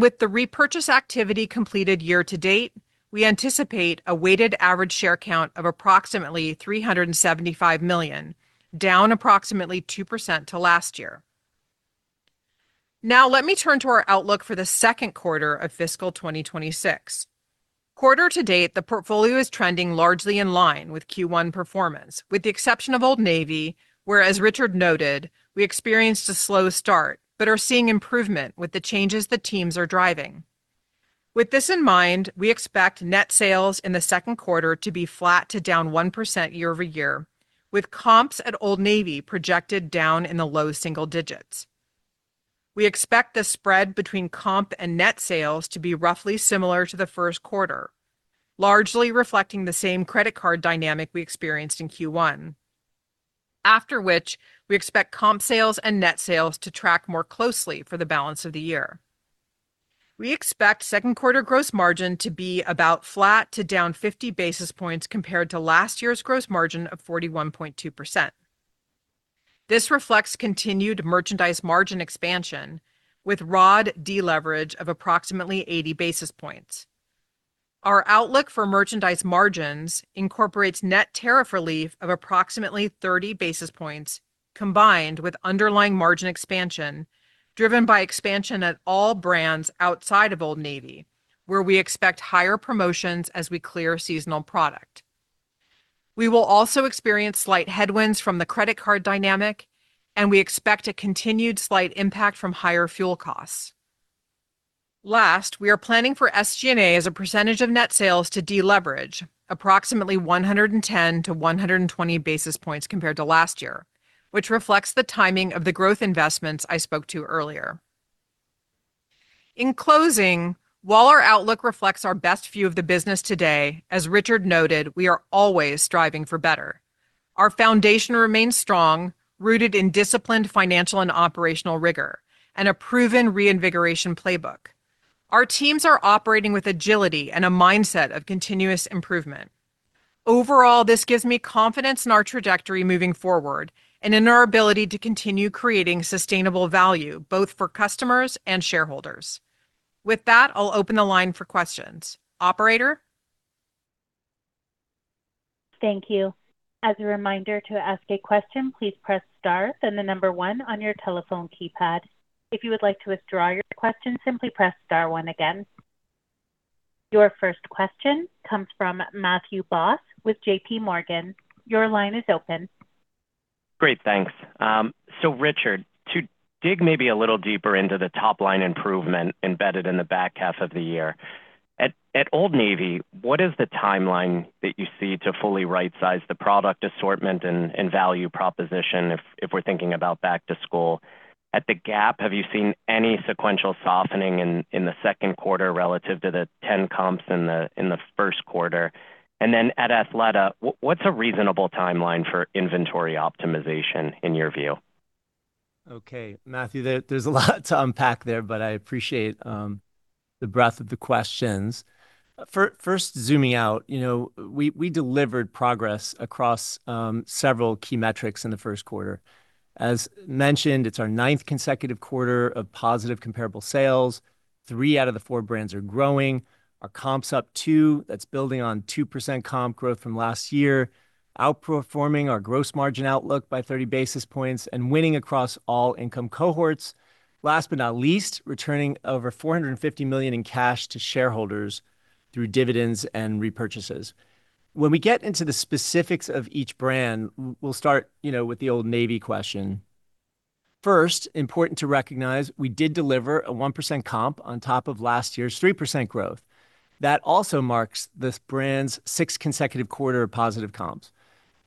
With the repurchase activity completed year to date, we anticipate a weighted average share count of approximately 375 million, down approximately 2% to last year. Now let me turn to our outlook for the second quarter of fiscal 2026. Quarter to date, the portfolio is trending largely in line with Q1 performance, with the exception of Old Navy, where, as Richard noted, we experienced a slow start, but are seeing improvement with the changes the teams are driving. With this in mind, we expect net sales in the second quarter to be flat to down 1% year-over-year, with comps at Old Navy projected down in the low single digits. We expect the spread between comp and net sales to be roughly similar to the first quarter, largely reflecting the same credit card dynamic we experienced in Q1. After which, we expect comp sales and net sales to track more closely for the balance of the year. We expect second quarter gross margin to be about flat to down 50 basis points compared to last year's gross margin of 41.2%. This reflects continued merchandise margin expansion with ROD deleverage of approximately 80 basis points. Our outlook for merchandise margins incorporates net tariff relief of approximately 30 basis points combined with underlying margin expansion, driven by expansion at all brands outside of Old Navy, where we expect higher promotions as we clear seasonal product. We will also experience slight headwinds from the credit card dynamic, and we expect a continued slight impact from higher fuel costs. Last, we are planning for SG&A as a % of net sales to deleverage approximately 110-120 basis points compared to last year, which reflects the timing of the growth investments I spoke to earlier. In closing, while our outlook reflects our best view of the business today, as Richard noted, we are always striving for better. Our foundation remains strong, rooted in disciplined financial and operational rigor, and a proven reinvigoration playbook. Our teams are operating with agility and a mindset of continuous improvement. Overall, this gives me confidence in our trajectory moving forward and in our ability to continue creating sustainable value both for customers and shareholders. With that, I'll open the line for questions. Operator? Thank you. As a reminder, to ask a question, please press star, then the number one on your telephone keypad. If you would like to withdraw your question, simply press star one again. Your first question comes from Matthew Boss with JPMorgan. Your line is open. Great. Thanks. Richard, to dig maybe a little deeper into the top-line improvement embedded in the back half of the year, at Old Navy, what is the timeline that you see to fully right-size the product assortment and value proposition if we're thinking about back to school? At the Gap, have you seen any sequential softening in the second quarter relative to the 10 comps in the first quarter? At Athleta, what's a reasonable timeline for inventory optimization in your view? Okay. Matthew, there's a lot to unpack there. I appreciate the breadth of the questions. First, zooming out, we delivered progress across several key metrics in the first quarter. As mentioned, it's our ninth consecutive quarter of positive comparable sales. Three out of the four brands are growing. Our comps up two. That's building on 2% comp growth from last year, outperforming our gross margin outlook by 30 basis points and winning across all income cohorts. Last but not least, returning over $450 million in cash to shareholders through dividends and repurchases. When we get into the specifics of each brand, we'll start with the Old Navy question. First, important to recognize, we did deliver a 1% comp on top of last year's 3% growth. That also marks this brand's sixth consecutive quarter of positive comps.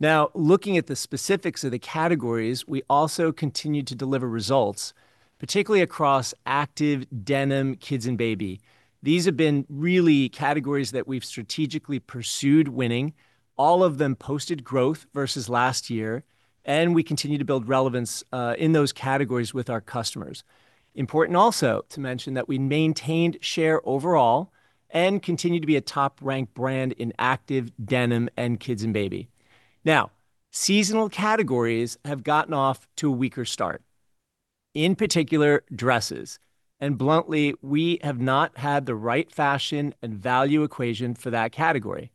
Looking at the specifics of the categories, we also continued to deliver results, particularly across active, denim, kids, and baby. These have been really categories that we've strategically pursued winning. All of them posted growth versus last year, and we continue to build relevance in those categories with our customers. Important also to mention that we maintained share overall and continue to be a top-ranked brand in active, denim, and kids and baby. Seasonal categories have gotten off to a weaker start. In particular, dresses, and bluntly, we have not had the right fashion and value equation for that category.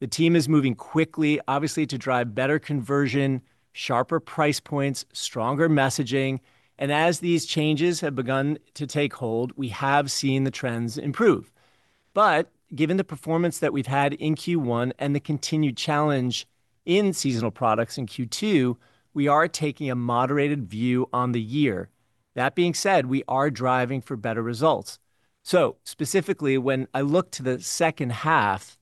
The team is moving quickly, obviously, to drive better conversion, sharper price points, stronger messaging, and as these changes have begun to take hold, we have seen the trends improve. Given the performance that we've had in Q1 and the continued challenge in seasonal products in Q2, we are taking a moderated view on the year. That being said, we are driving for better results. Specifically, when I look to the second half,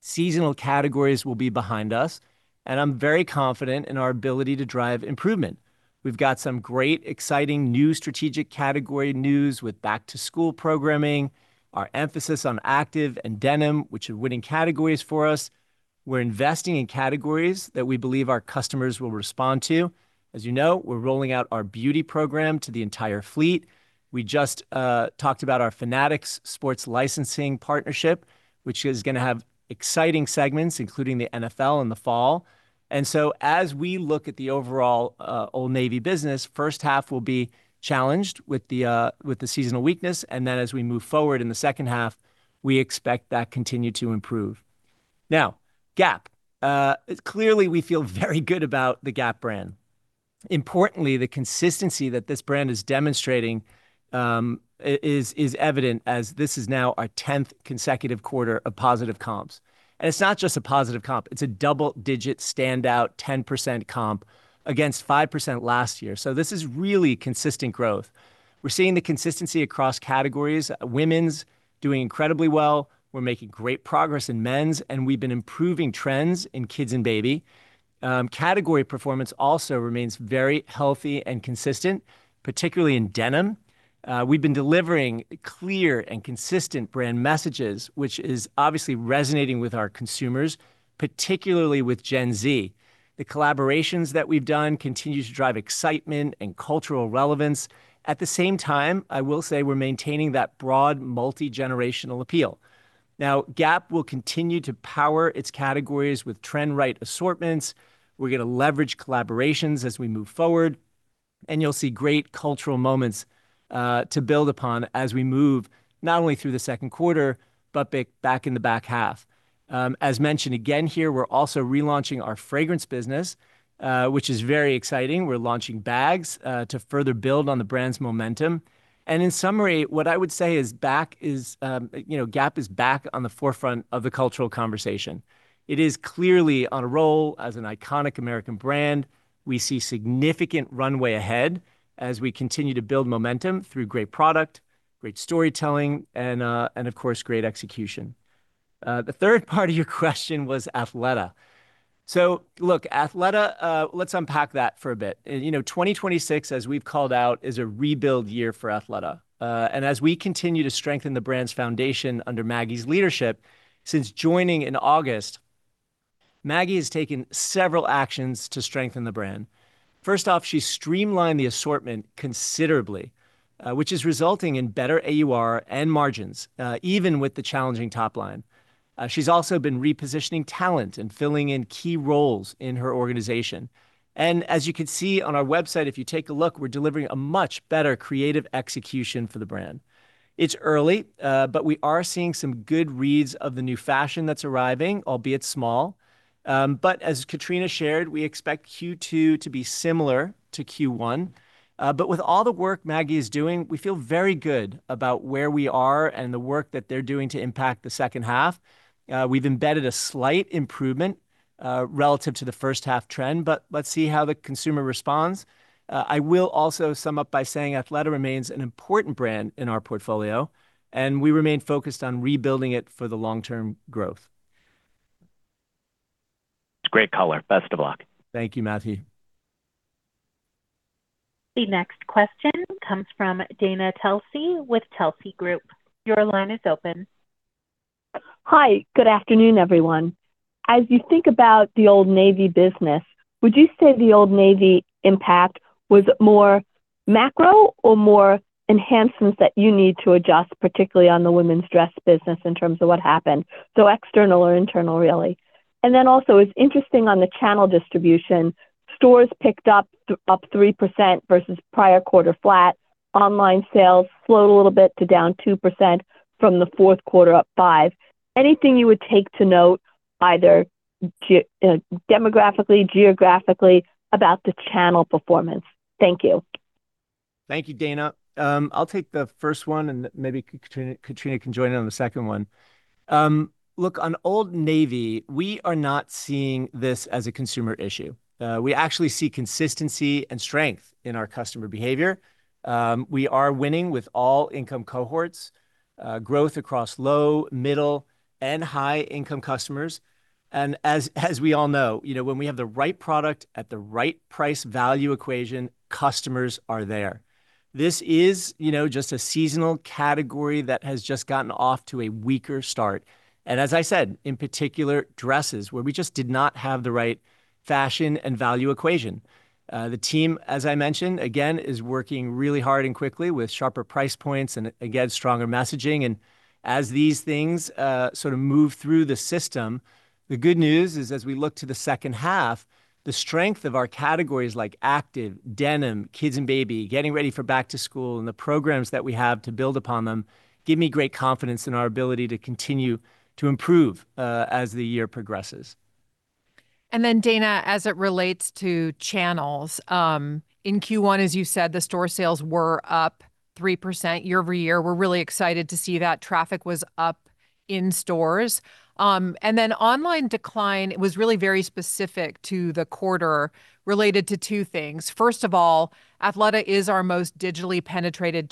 seasonal categories will be behind us, and I'm very confident in our ability to drive improvement. We've got some great, exciting new strategic category news with back-to-school programming, our emphasis on active and denim, which are winning categories for us. We're investing in categories that we believe our customers will respond to. As you know, we're rolling out our beauty program to the entire fleet. We just talked about our Fanatics sports licensing partnership, which is going to have exciting segments, including the NFL in the fall. As we look at the overall Old Navy business, first half will be challenged with the seasonal weakness, and then as we move forward in the second half, we expect that continue to improve. Gap. Clearly, we feel very good about the Gap brand. Importantly, the consistency that this brand is demonstrating is evident as this is now our 10th consecutive quarter of positive comps. It's not just a positive comp, it's a double-digit standout 10% comp against 5% last year. This is really consistent growth. We're seeing the consistency across categories. Women's doing incredibly well. We're making great progress in men's, and we've been improving trends in kids and baby. Category performance also remains very healthy and consistent, particularly in denim. We've been delivering clear and consistent brand messages, which is obviously resonating with our consumers, particularly with Gen Z. The collaborations that we've done continue to drive excitement and cultural relevance. At the same time, I will say we're maintaining that broad multi-generational appeal. Gap will continue to power its categories with trend-right assortments. We're going to leverage collaborations as we move forward, and you'll see great cultural moments to build upon as we move not only through the second quarter, but back in the back half. As mentioned again here, we're also relaunching our fragrance business, which is very exciting. We're launching bags to further build on the brand's momentum. In summary, what I would say is Gap is back on the forefront of the cultural conversation. It is clearly on a roll as an iconic American brand. We see significant runway ahead as we continue to build momentum through great product, great storytelling, and of course, great execution. The third part of your question was Athleta. Look, Athleta, let's unpack that for a bit. 2026, as we've called out, is a rebuild year for Athleta. As we continue to strengthen the brand's foundation under Maggie's leadership, since joining in August, Maggie has taken several actions to strengthen the brand. First off, she streamlined the assortment considerably, which is resulting in better AUR and margins, even with the challenging top line. She's also been repositioning talent and filling in key roles in her organization. As you can see on our website, if you take a look, we're delivering a much better creative execution for the brand. It's early, but we are seeing some good reads of the new fashion that's arriving, albeit small. As Katrina shared, we expect Q2 to be similar to Q1. With all the work Maggie is doing, we feel very good about where we are and the work that they're doing to impact the second half. We've embedded a slight improvement, relative to the first half trend, but let's see how the consumer responds. I will also sum up by saying Athleta remains an important brand in our portfolio, and we remain focused on rebuilding it for the long-term growth. Great color. Best of luck. Thank you, Matthew. The next question comes from Dana Telsey with Telsey Group. Your line is open. Hi. Good afternoon, everyone. As you think about the Old Navy business, would you say the Old Navy impact was more macro or more enhancements that you need to adjust, particularly on the women's dress business in terms of what happened, so external or internal, really? Then also, it's interesting on the channel distribution. Stores picked up 3% versus prior quarter flat. Online sales slowed a little bit to down 2% from the fourth quarter up 5%. Anything you would take to note either demographically, geographically about the channel performance? Thank you. Thank you, Dana. I'll take the first one and maybe Katrina can join in on the second one. Look, on Old Navy, we are not seeing this as a consumer issue. We actually see consistency and strength in our customer behavior. We are winning with all income cohorts, growth across low, middle, and high-income customers. As we all know, when we have the right product at the right price value equation, customers are there. This is just a seasonal category that has just gotten off to a weaker start, and as I said, in particular, dresses, where we just did not have the right fashion and value equation. The team, as I mentioned, again, is working really hard and quickly with sharper price points and, again, stronger messaging. As these things sort of move through the system, the good news is, as we look to the second half, the strength of our categories like active, denim, kids and baby, getting ready for back to school, and the programs that we have to build upon them, give me great confidence in our ability to continue to improve as the year progresses. Dana, as it relates to channels, in Q1, as you said, the store sales were up 3% year-over-year. We're really excited to see that traffic was up in stores. Online decline was really very specific to the quarter related to two things. First of all, Athleta is our most digitally penetrated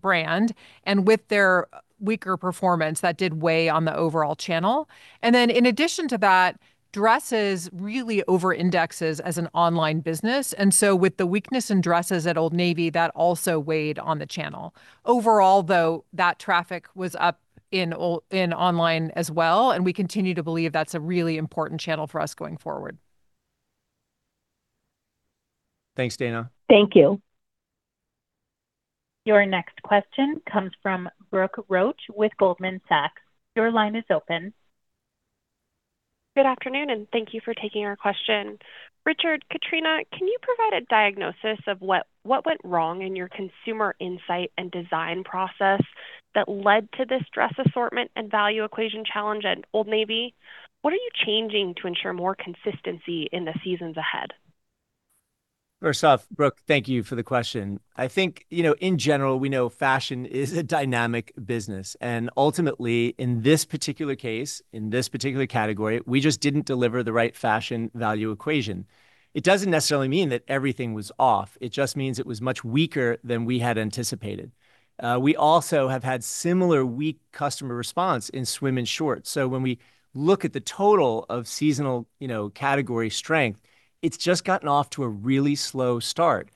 brand, and with their weaker performance, that did weigh on the overall channel. In addition to that, dresses really over-indexes as an online business. With the weakness in dresses at Old Navy, that also weighed on the channel. Overall, though, that traffic was up in online as well, and we continue to believe that's a really important channel for us going forward. Thanks, Dana. Thank you. Your next question comes from Brooke Roach with Goldman Sachs. Your line is open. Good afternoon, thank you for taking our question. Richard, Katrina, can you provide a diagnosis of what went wrong in your consumer insight and design process that led to this dress assortment and value equation challenge at Old Navy? What are you changing to ensure more consistency in the seasons ahead? First off, Brooke, thank you for the question. I think, in general, we know fashion is a dynamic business. Ultimately, in this particular case, in this particular category, we just didn't deliver the right fashion value equation. It doesn't necessarily mean that everything was off. It just means it was much weaker than we had anticipated. We also have had similar weak customer response in swim and shorts. When we look at the total of seasonal category strength, it's just gotten off to a really slow start.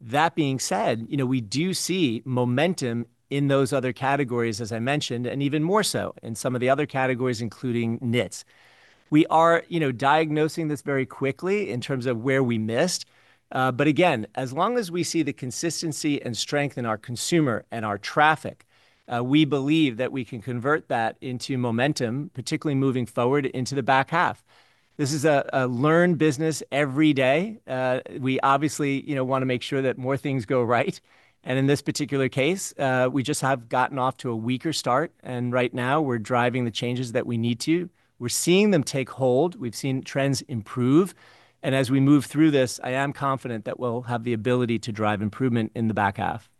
That being said, we do see momentum in those other categories, as I mentioned, and even more so in some of the other categories, including knits. We are diagnosing this very quickly in terms of where we missed. Again, as long as we see the consistency and strength in our consumer and our traffic, we believe that we can convert that into momentum, particularly moving forward into the back half. This is a learn business every day. We obviously want to make sure that more things go right. In this particular case, we just have gotten off to a weaker start, and right now we're driving the changes that we need to. We're seeing them take hold. We've seen trends improve. As we move through this, I am confident that we'll have the ability to drive improvement in the back half.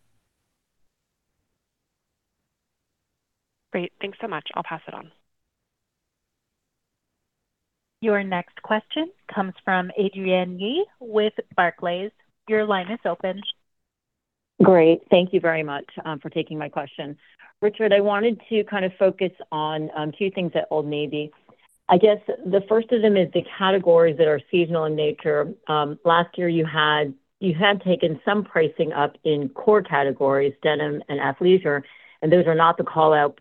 Great. Thanks so much. I'll pass it on. Your next question comes from Adrienne Yih with Barclays. Your line is open. Great. Thank you very much for taking my question. Richard, I wanted to kind of focus on two things at Old Navy. I guess the first of them is the categories that are seasonal in nature. Last year, you had taken some pricing up in core categories, denim and athleisure, and those are not the call-out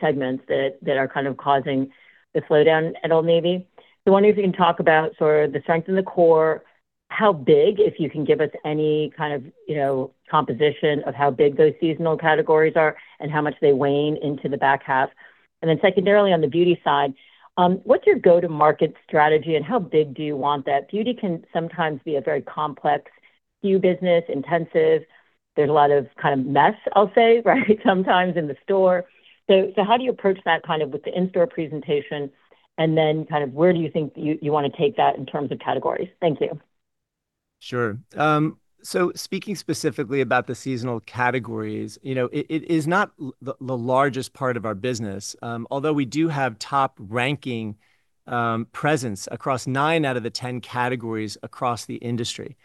segments that are kind of causing the slowdown at Old Navy. I wonder if you can talk about sort of the strength in the core. How big, if you can give us any kind of composition of how big those seasonal categories are and how much they wane into the back half? Secondarily, on the beauty side, what's your go-to-market strategy, and how big do you want that? Beauty can sometimes be a very complex SKU business, intensive. There's a lot of mess, I'll say, right? Sometimes in the store. How do you approach that with the in-store presentation, and then where do you think you want to take that in terms of categories? Thank you. Speaking specifically about the seasonal categories, it is not the largest part of our business, although we do have top-ranking presence across nine out of the 10 categories across the industry.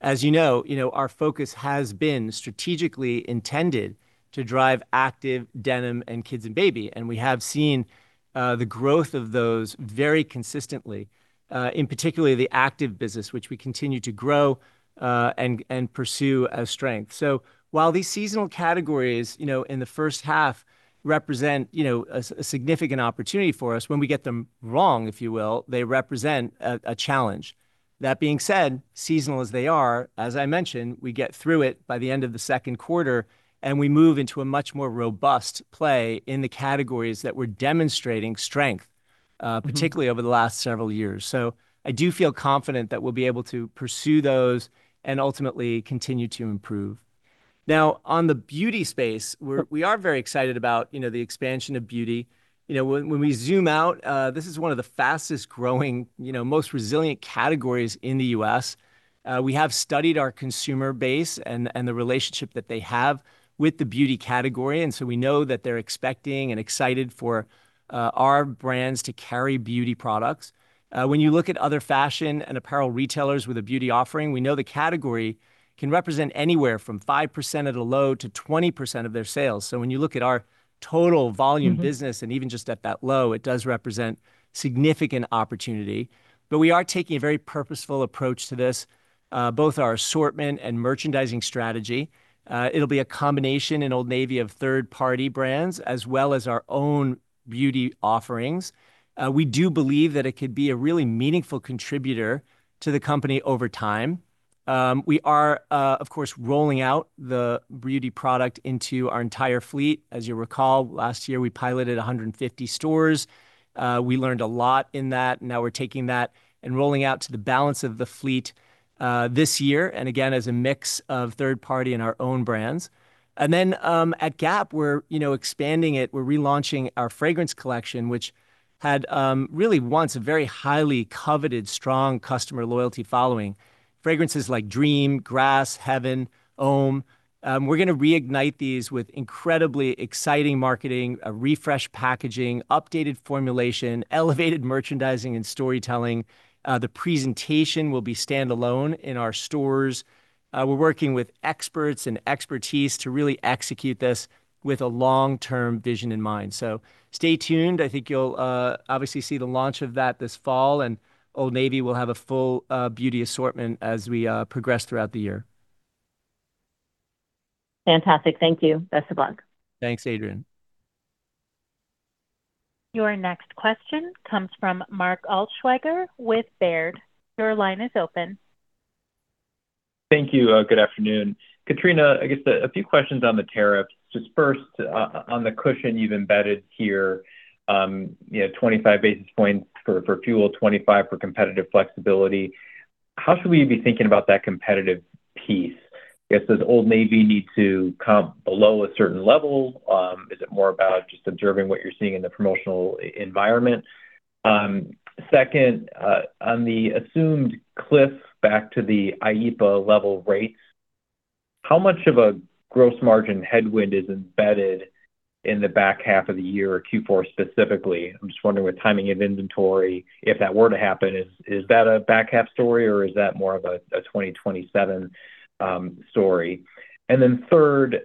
As you know, our focus has been strategically intended to drive active denim in kids and baby, and we have seen the growth of those very consistently, in particular the active business, which we continue to grow and pursue as strength. While these seasonal categories, in the first half represent a significant opportunity for us, when we get them wrong, if you will, they represent a challenge. That being said, seasonal as they are, as I mentioned, we get through it by the end of the second quarter, and we move into a much more robust play in the categories that we're demonstrating strength. particularly over the last several years. I do feel confident that we'll be able to pursue those and ultimately continue to improve. Now, on the beauty space, we are very excited about the expansion of beauty. When we zoom out, this is one of the fastest-growing, most resilient categories in the U.S. We have studied our consumer base and the relationship that they have with the beauty category, and so we know that they're expecting and excited for our brands to carry beauty products. When you look at other fashion and apparel retailers with a beauty offering, we know the category can represent anywhere from 5% at a low to 20% of their sales. When you look at our total volume business- Even just at that low, it does represent significant opportunity. We are taking a very purposeful approach to this, both our assortment and merchandising strategy. It'll be a combination in Old Navy of third-party brands as well as our own beauty offerings. We do believe that it could be a really meaningful contributor to the company over time. We are, of course, rolling out the beauty product into our entire fleet. As you recall, last year we piloted 150 stores. We learned a lot in that. We're taking that and rolling out to the balance of the fleet this year, and again, as a mix of third party and our own brands. At Gap, we're expanding it. We're relaunching our fragrance collection, which had really once a very highly coveted, strong customer loyalty following. Fragrances like Dream, Grass, Heaven, Om. We're going to reignite these with incredibly exciting marketing, a refreshed packaging, updated formulation, elevated merchandising, and storytelling. The presentation will be standalone in our stores. We're working with experts and expertise to really execute this with a long-term vision in mind. Stay tuned. I think you'll obviously see the launch of that this fall, and Old Navy will have a full beauty assortment as we progress throughout the year. Fantastic. Thank you. Best of luck. Thanks, Adrienne. Your next question comes from Mark Altschwager with Baird. Your line is open. Thank you. Good afternoon. Katrina, I guess a few questions on the tariffs. Just first, on the cushion you've embedded here, 25 basis points for fuel, 25 for competitive flexibility. How should we be thinking about that competitive piece? I guess, does Old Navy need to comp below a certain level? Is it more about just observing what you're seeing in the promotional environment? Second, on the assumed cliff back to the IEEPA level rates, how much of a gross margin headwind is embedded in the back half of the year or Q4 specifically? I'm just wondering with timing of inventory, if that were to happen, is that a back half story, or is that more of a 2027 story? Third,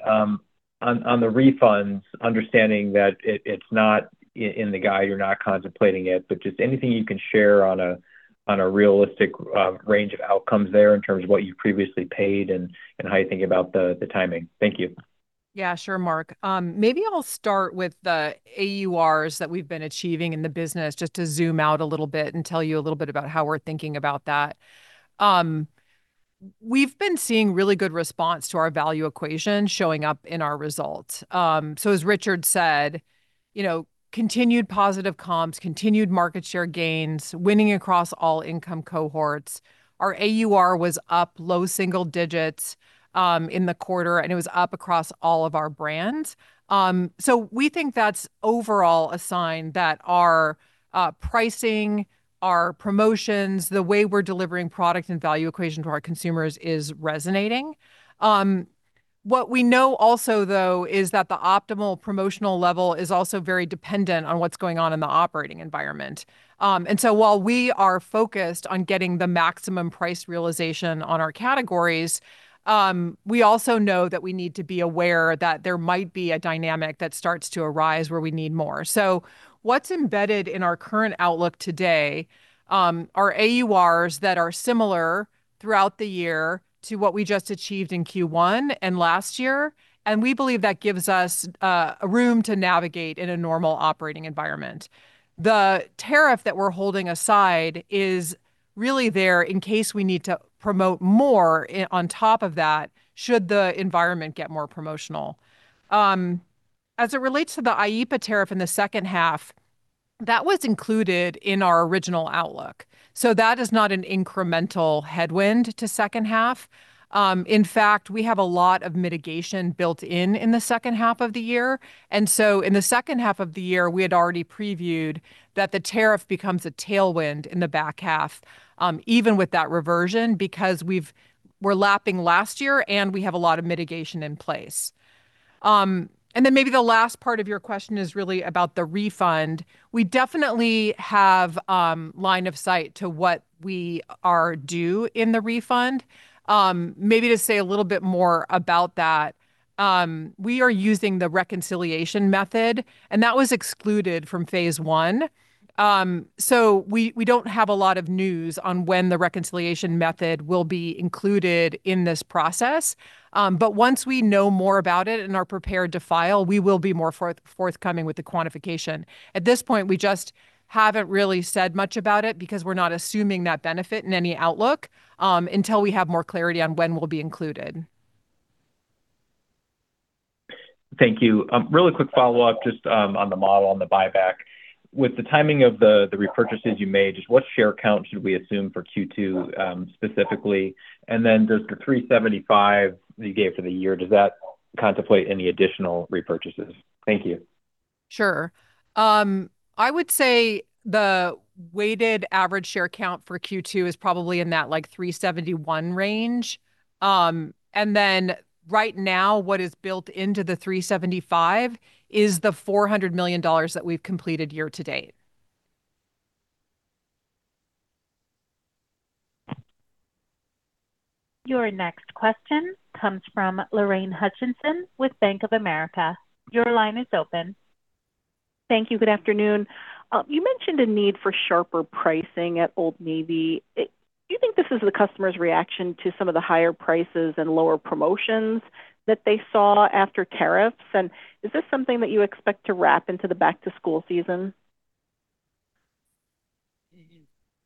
on the refunds, understanding that it's not in the guide, you're not contemplating it, but just anything you can share on a realistic range of outcomes there in terms of what you previously paid and how you think about the timing. Thank you. Yeah. Sure, Mark. Maybe I'll start with the AURs that we've been achieving in the business, just to zoom out a little bit and tell you a little bit about how we're thinking about that. We've been seeing really good response to our value equation showing up in our results. As Richard said, continued positive comps, continued market share gains, winning across all income cohorts. Our AUR was up low single digits in the quarter, and it was up across all of our brands. We think that's overall a sign that our pricing, our promotions, the way we're delivering product and value equation to our consumers is resonating. What we know also, though, is that the optimal promotional level is also very dependent on what's going on in the operating environment. While we are focused on getting the maximum price realization on our categories, we also know that we need to be aware that there might be a dynamic that starts to arise where we need more. What's embedded in our current outlook today are AURs that are similar throughout the year to what we just achieved in Q1 and last year, and we believe that gives us room to navigate in a normal operating environment. The tariff that we're holding aside is really there in case we need to promote more on top of that should the environment get more promotional. As it relates to the IEEPA tariff in the second half, that was included in our original outlook. That is not an incremental headwind to second half. In fact, we have a lot of mitigation built in in the second half of the year. In the second half of the year, we had already previewed that the tariff becomes a tailwind in the back half, even with that reversion, because we're lapping last year, and we have a lot of mitigation in place. Then maybe the last part of your question is really about the refund. We definitely have line of sight to what we are due in the refund. Maybe to say a little bit more about that, we are using the reconciliation method, and that was excluded from phase I. We don't have a lot of news on when the reconciliation method will be included in this process. Once we know more about it and are prepared to file, we will be more forthcoming with the quantification. At this point, we just haven't really said much about it, because we're not assuming that benefit in any outlook until we have more clarity on when we'll be included. Thank you. Really quick follow-up just on the model on the buyback. With the timing of the repurchases you made, just what share count should we assume for Q2 specifically? Then does the $375 million that you gave for the year, does that contemplate any additional repurchases? Thank you. Sure. I would say the weighted average share count for Q2 is probably in that $371 million range. Right now, what is built into the $375 million is the $400 million. That we've completed year to date. Your next question comes from Lorraine Hutchinson with Bank of America. Your line is open. Thank you. Good afternoon. You mentioned a need for sharper pricing at Old Navy. Do you think this is the customer's reaction to some of the higher prices and lower promotions that they saw after tariffs? Is this something that you expect to wrap into the back to school season?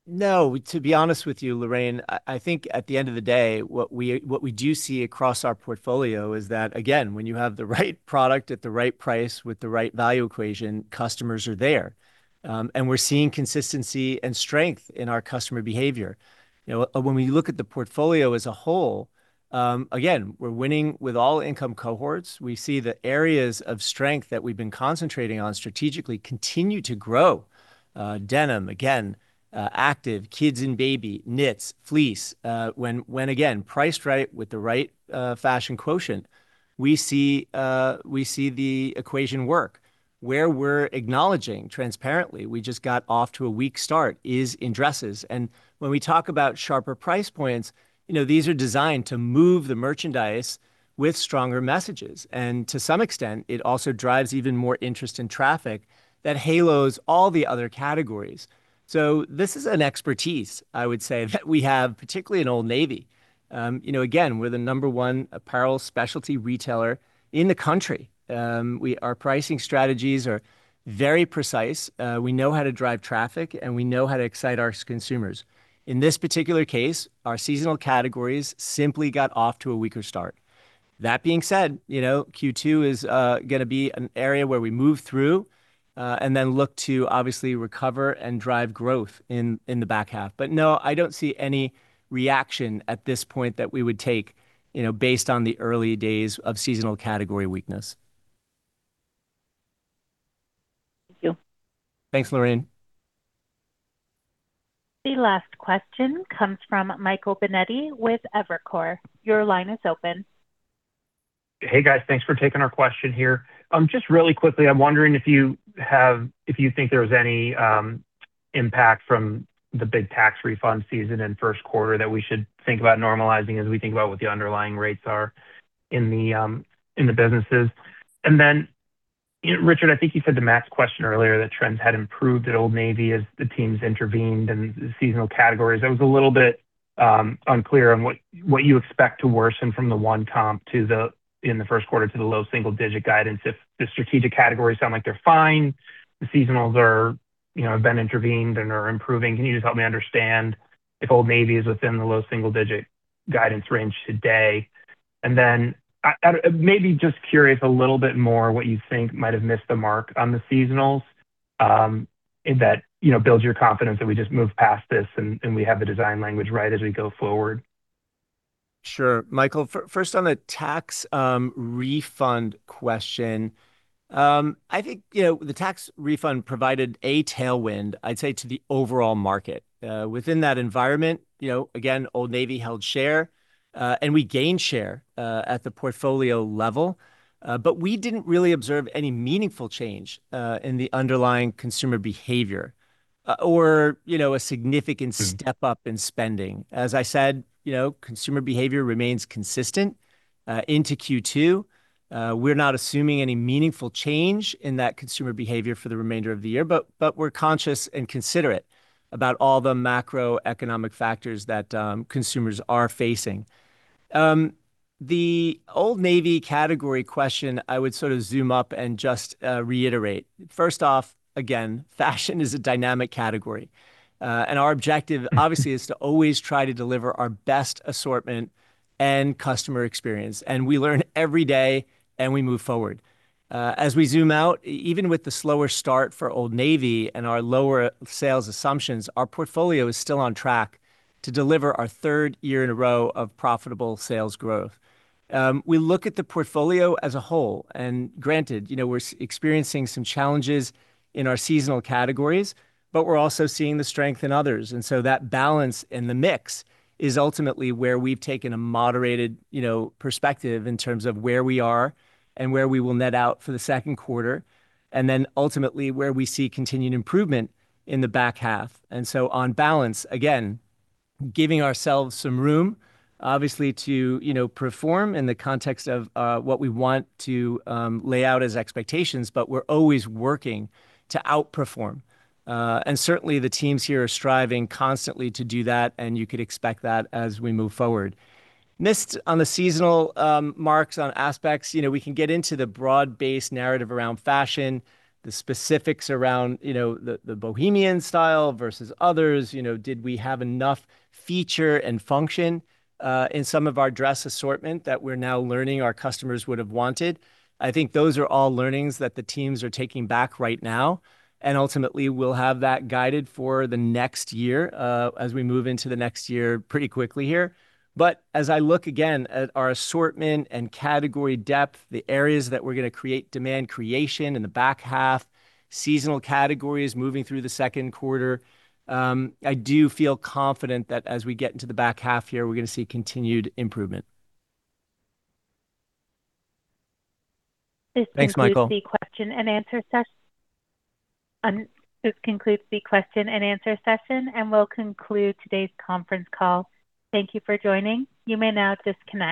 No. To be honest with you, Lorraine, I think at the end of the day, what we do see across our portfolio is that, again, when you have the right product at the right price with the right value equation, customers are there. We're seeing consistency and strength in our customer behavior. When we look at the portfolio as a whole, again, we're winning with all income cohorts. We see the areas of strength that we've been concentrating on strategically continue to grow. Denim again, active, kids and baby, knits, fleece, when, again, priced right with the right fashion quotient, we see the equation work. Where we're acknowledging transparently we just got off to a weak start is in dresses. When we talk about sharper price points, these are designed to move the merchandise with stronger messages. To some extent, it also drives even more interest in traffic that halos all the other categories. This is an expertise, I would say, that we have, particularly in Old Navy. Again, we're the number 1 apparel specialty retailer in the country. Our pricing strategies are very precise. We know how to drive traffic, and we know how to excite our consumers. In this particular case, our seasonal categories simply got off to a weaker start. That being said, Q2 is going to be an area where we move through and then look to obviously recover and drive growth in the back half. No, I don't see any reaction at this point that we would take based on the early days of seasonal category weakness. Thank you. Thanks, Lorraine. The last question comes from Michael Binetti with Evercore. Your line is open. Hey, guys. Thanks for taking our question here. Just really quickly, I'm wondering if you think there's any impact from the big tax refund season in first quarter that we should think about normalizing as we think about what the underlying rates are in the businesses. Richard, I think you said to Matthew's question earlier that trends had improved at Old Navy as the teams intervened in the seasonal categories. I was a little bit unclear on what you expect to worsen from the one comp in the first quarter to the low single-digit guidance. If the strategic categories sound like they're fine, the seasonals have been intervened and are improving, can you just help me understand if Old Navy is within the low single-digit guidance range today? Maybe just curious a little bit more what you think might have missed the mark on the seasonals that builds your confidence that we just move past this and we have the design language right as we go forward. Sure. Michael, first on the tax refund question. I think the tax refund provided a tailwind, I'd say, to the overall market. Within that environment, again, Old Navy held share, and we gained share at the portfolio level. We didn't really observe any meaningful change in the underlying consumer behavior or a significant step up in spending. As I said, consumer behavior remains consistent into Q2. We're not assuming any meaningful change in that consumer behavior for the remainder of the year, but we're conscious and considerate about all the macroeconomic factors that consumers are facing. The Old Navy category question, I would sort of zoom up and just reiterate. First off, again, fashion is a dynamic category. Our objective, obviously, is to always try to deliver our best assortment and customer experience. We learn every day, and we move forward. As we zoom out, even with the slower start for Old Navy and our lower sales assumptions, our portfolio is still on track to deliver our third year in a row of profitable sales growth. We look at the portfolio as a whole, and granted, we're experiencing some challenges in our seasonal categories, but we're also seeing the strength in others. That balance in the mix is ultimately where we've taken a moderated perspective in terms of where we are and where we will net out for the second quarter, and then ultimately where we see continued improvement in the back half. On balance, again, giving ourselves some room, obviously, to perform in the context of what we want to lay out as expectations, but we're always working to outperform. Certainly, the teams here are striving constantly to do that, and you could expect that as we move forward. Missed on the seasonal marks on aspects. We can get into the broad-based narrative around fashion, the specifics around the bohemian style versus others. Did we have enough feature and function in some of our dress assortment that we're now learning our customers would have wanted? I think those are all learnings that the teams are taking back right now, and ultimately we'll have that guided for the next year as we move into the next year pretty quickly here. As I look again at our assortment and category depth, the areas that we're going to create demand creation in the back half, seasonal categories moving through the second quarter, I do feel confident that as we get into the back half here, we're going to see continued improvement. Thanks, Michael. This concludes the question-and-answer session, and we'll conclude today's conference call. Thank you for joining. You may now disconnect.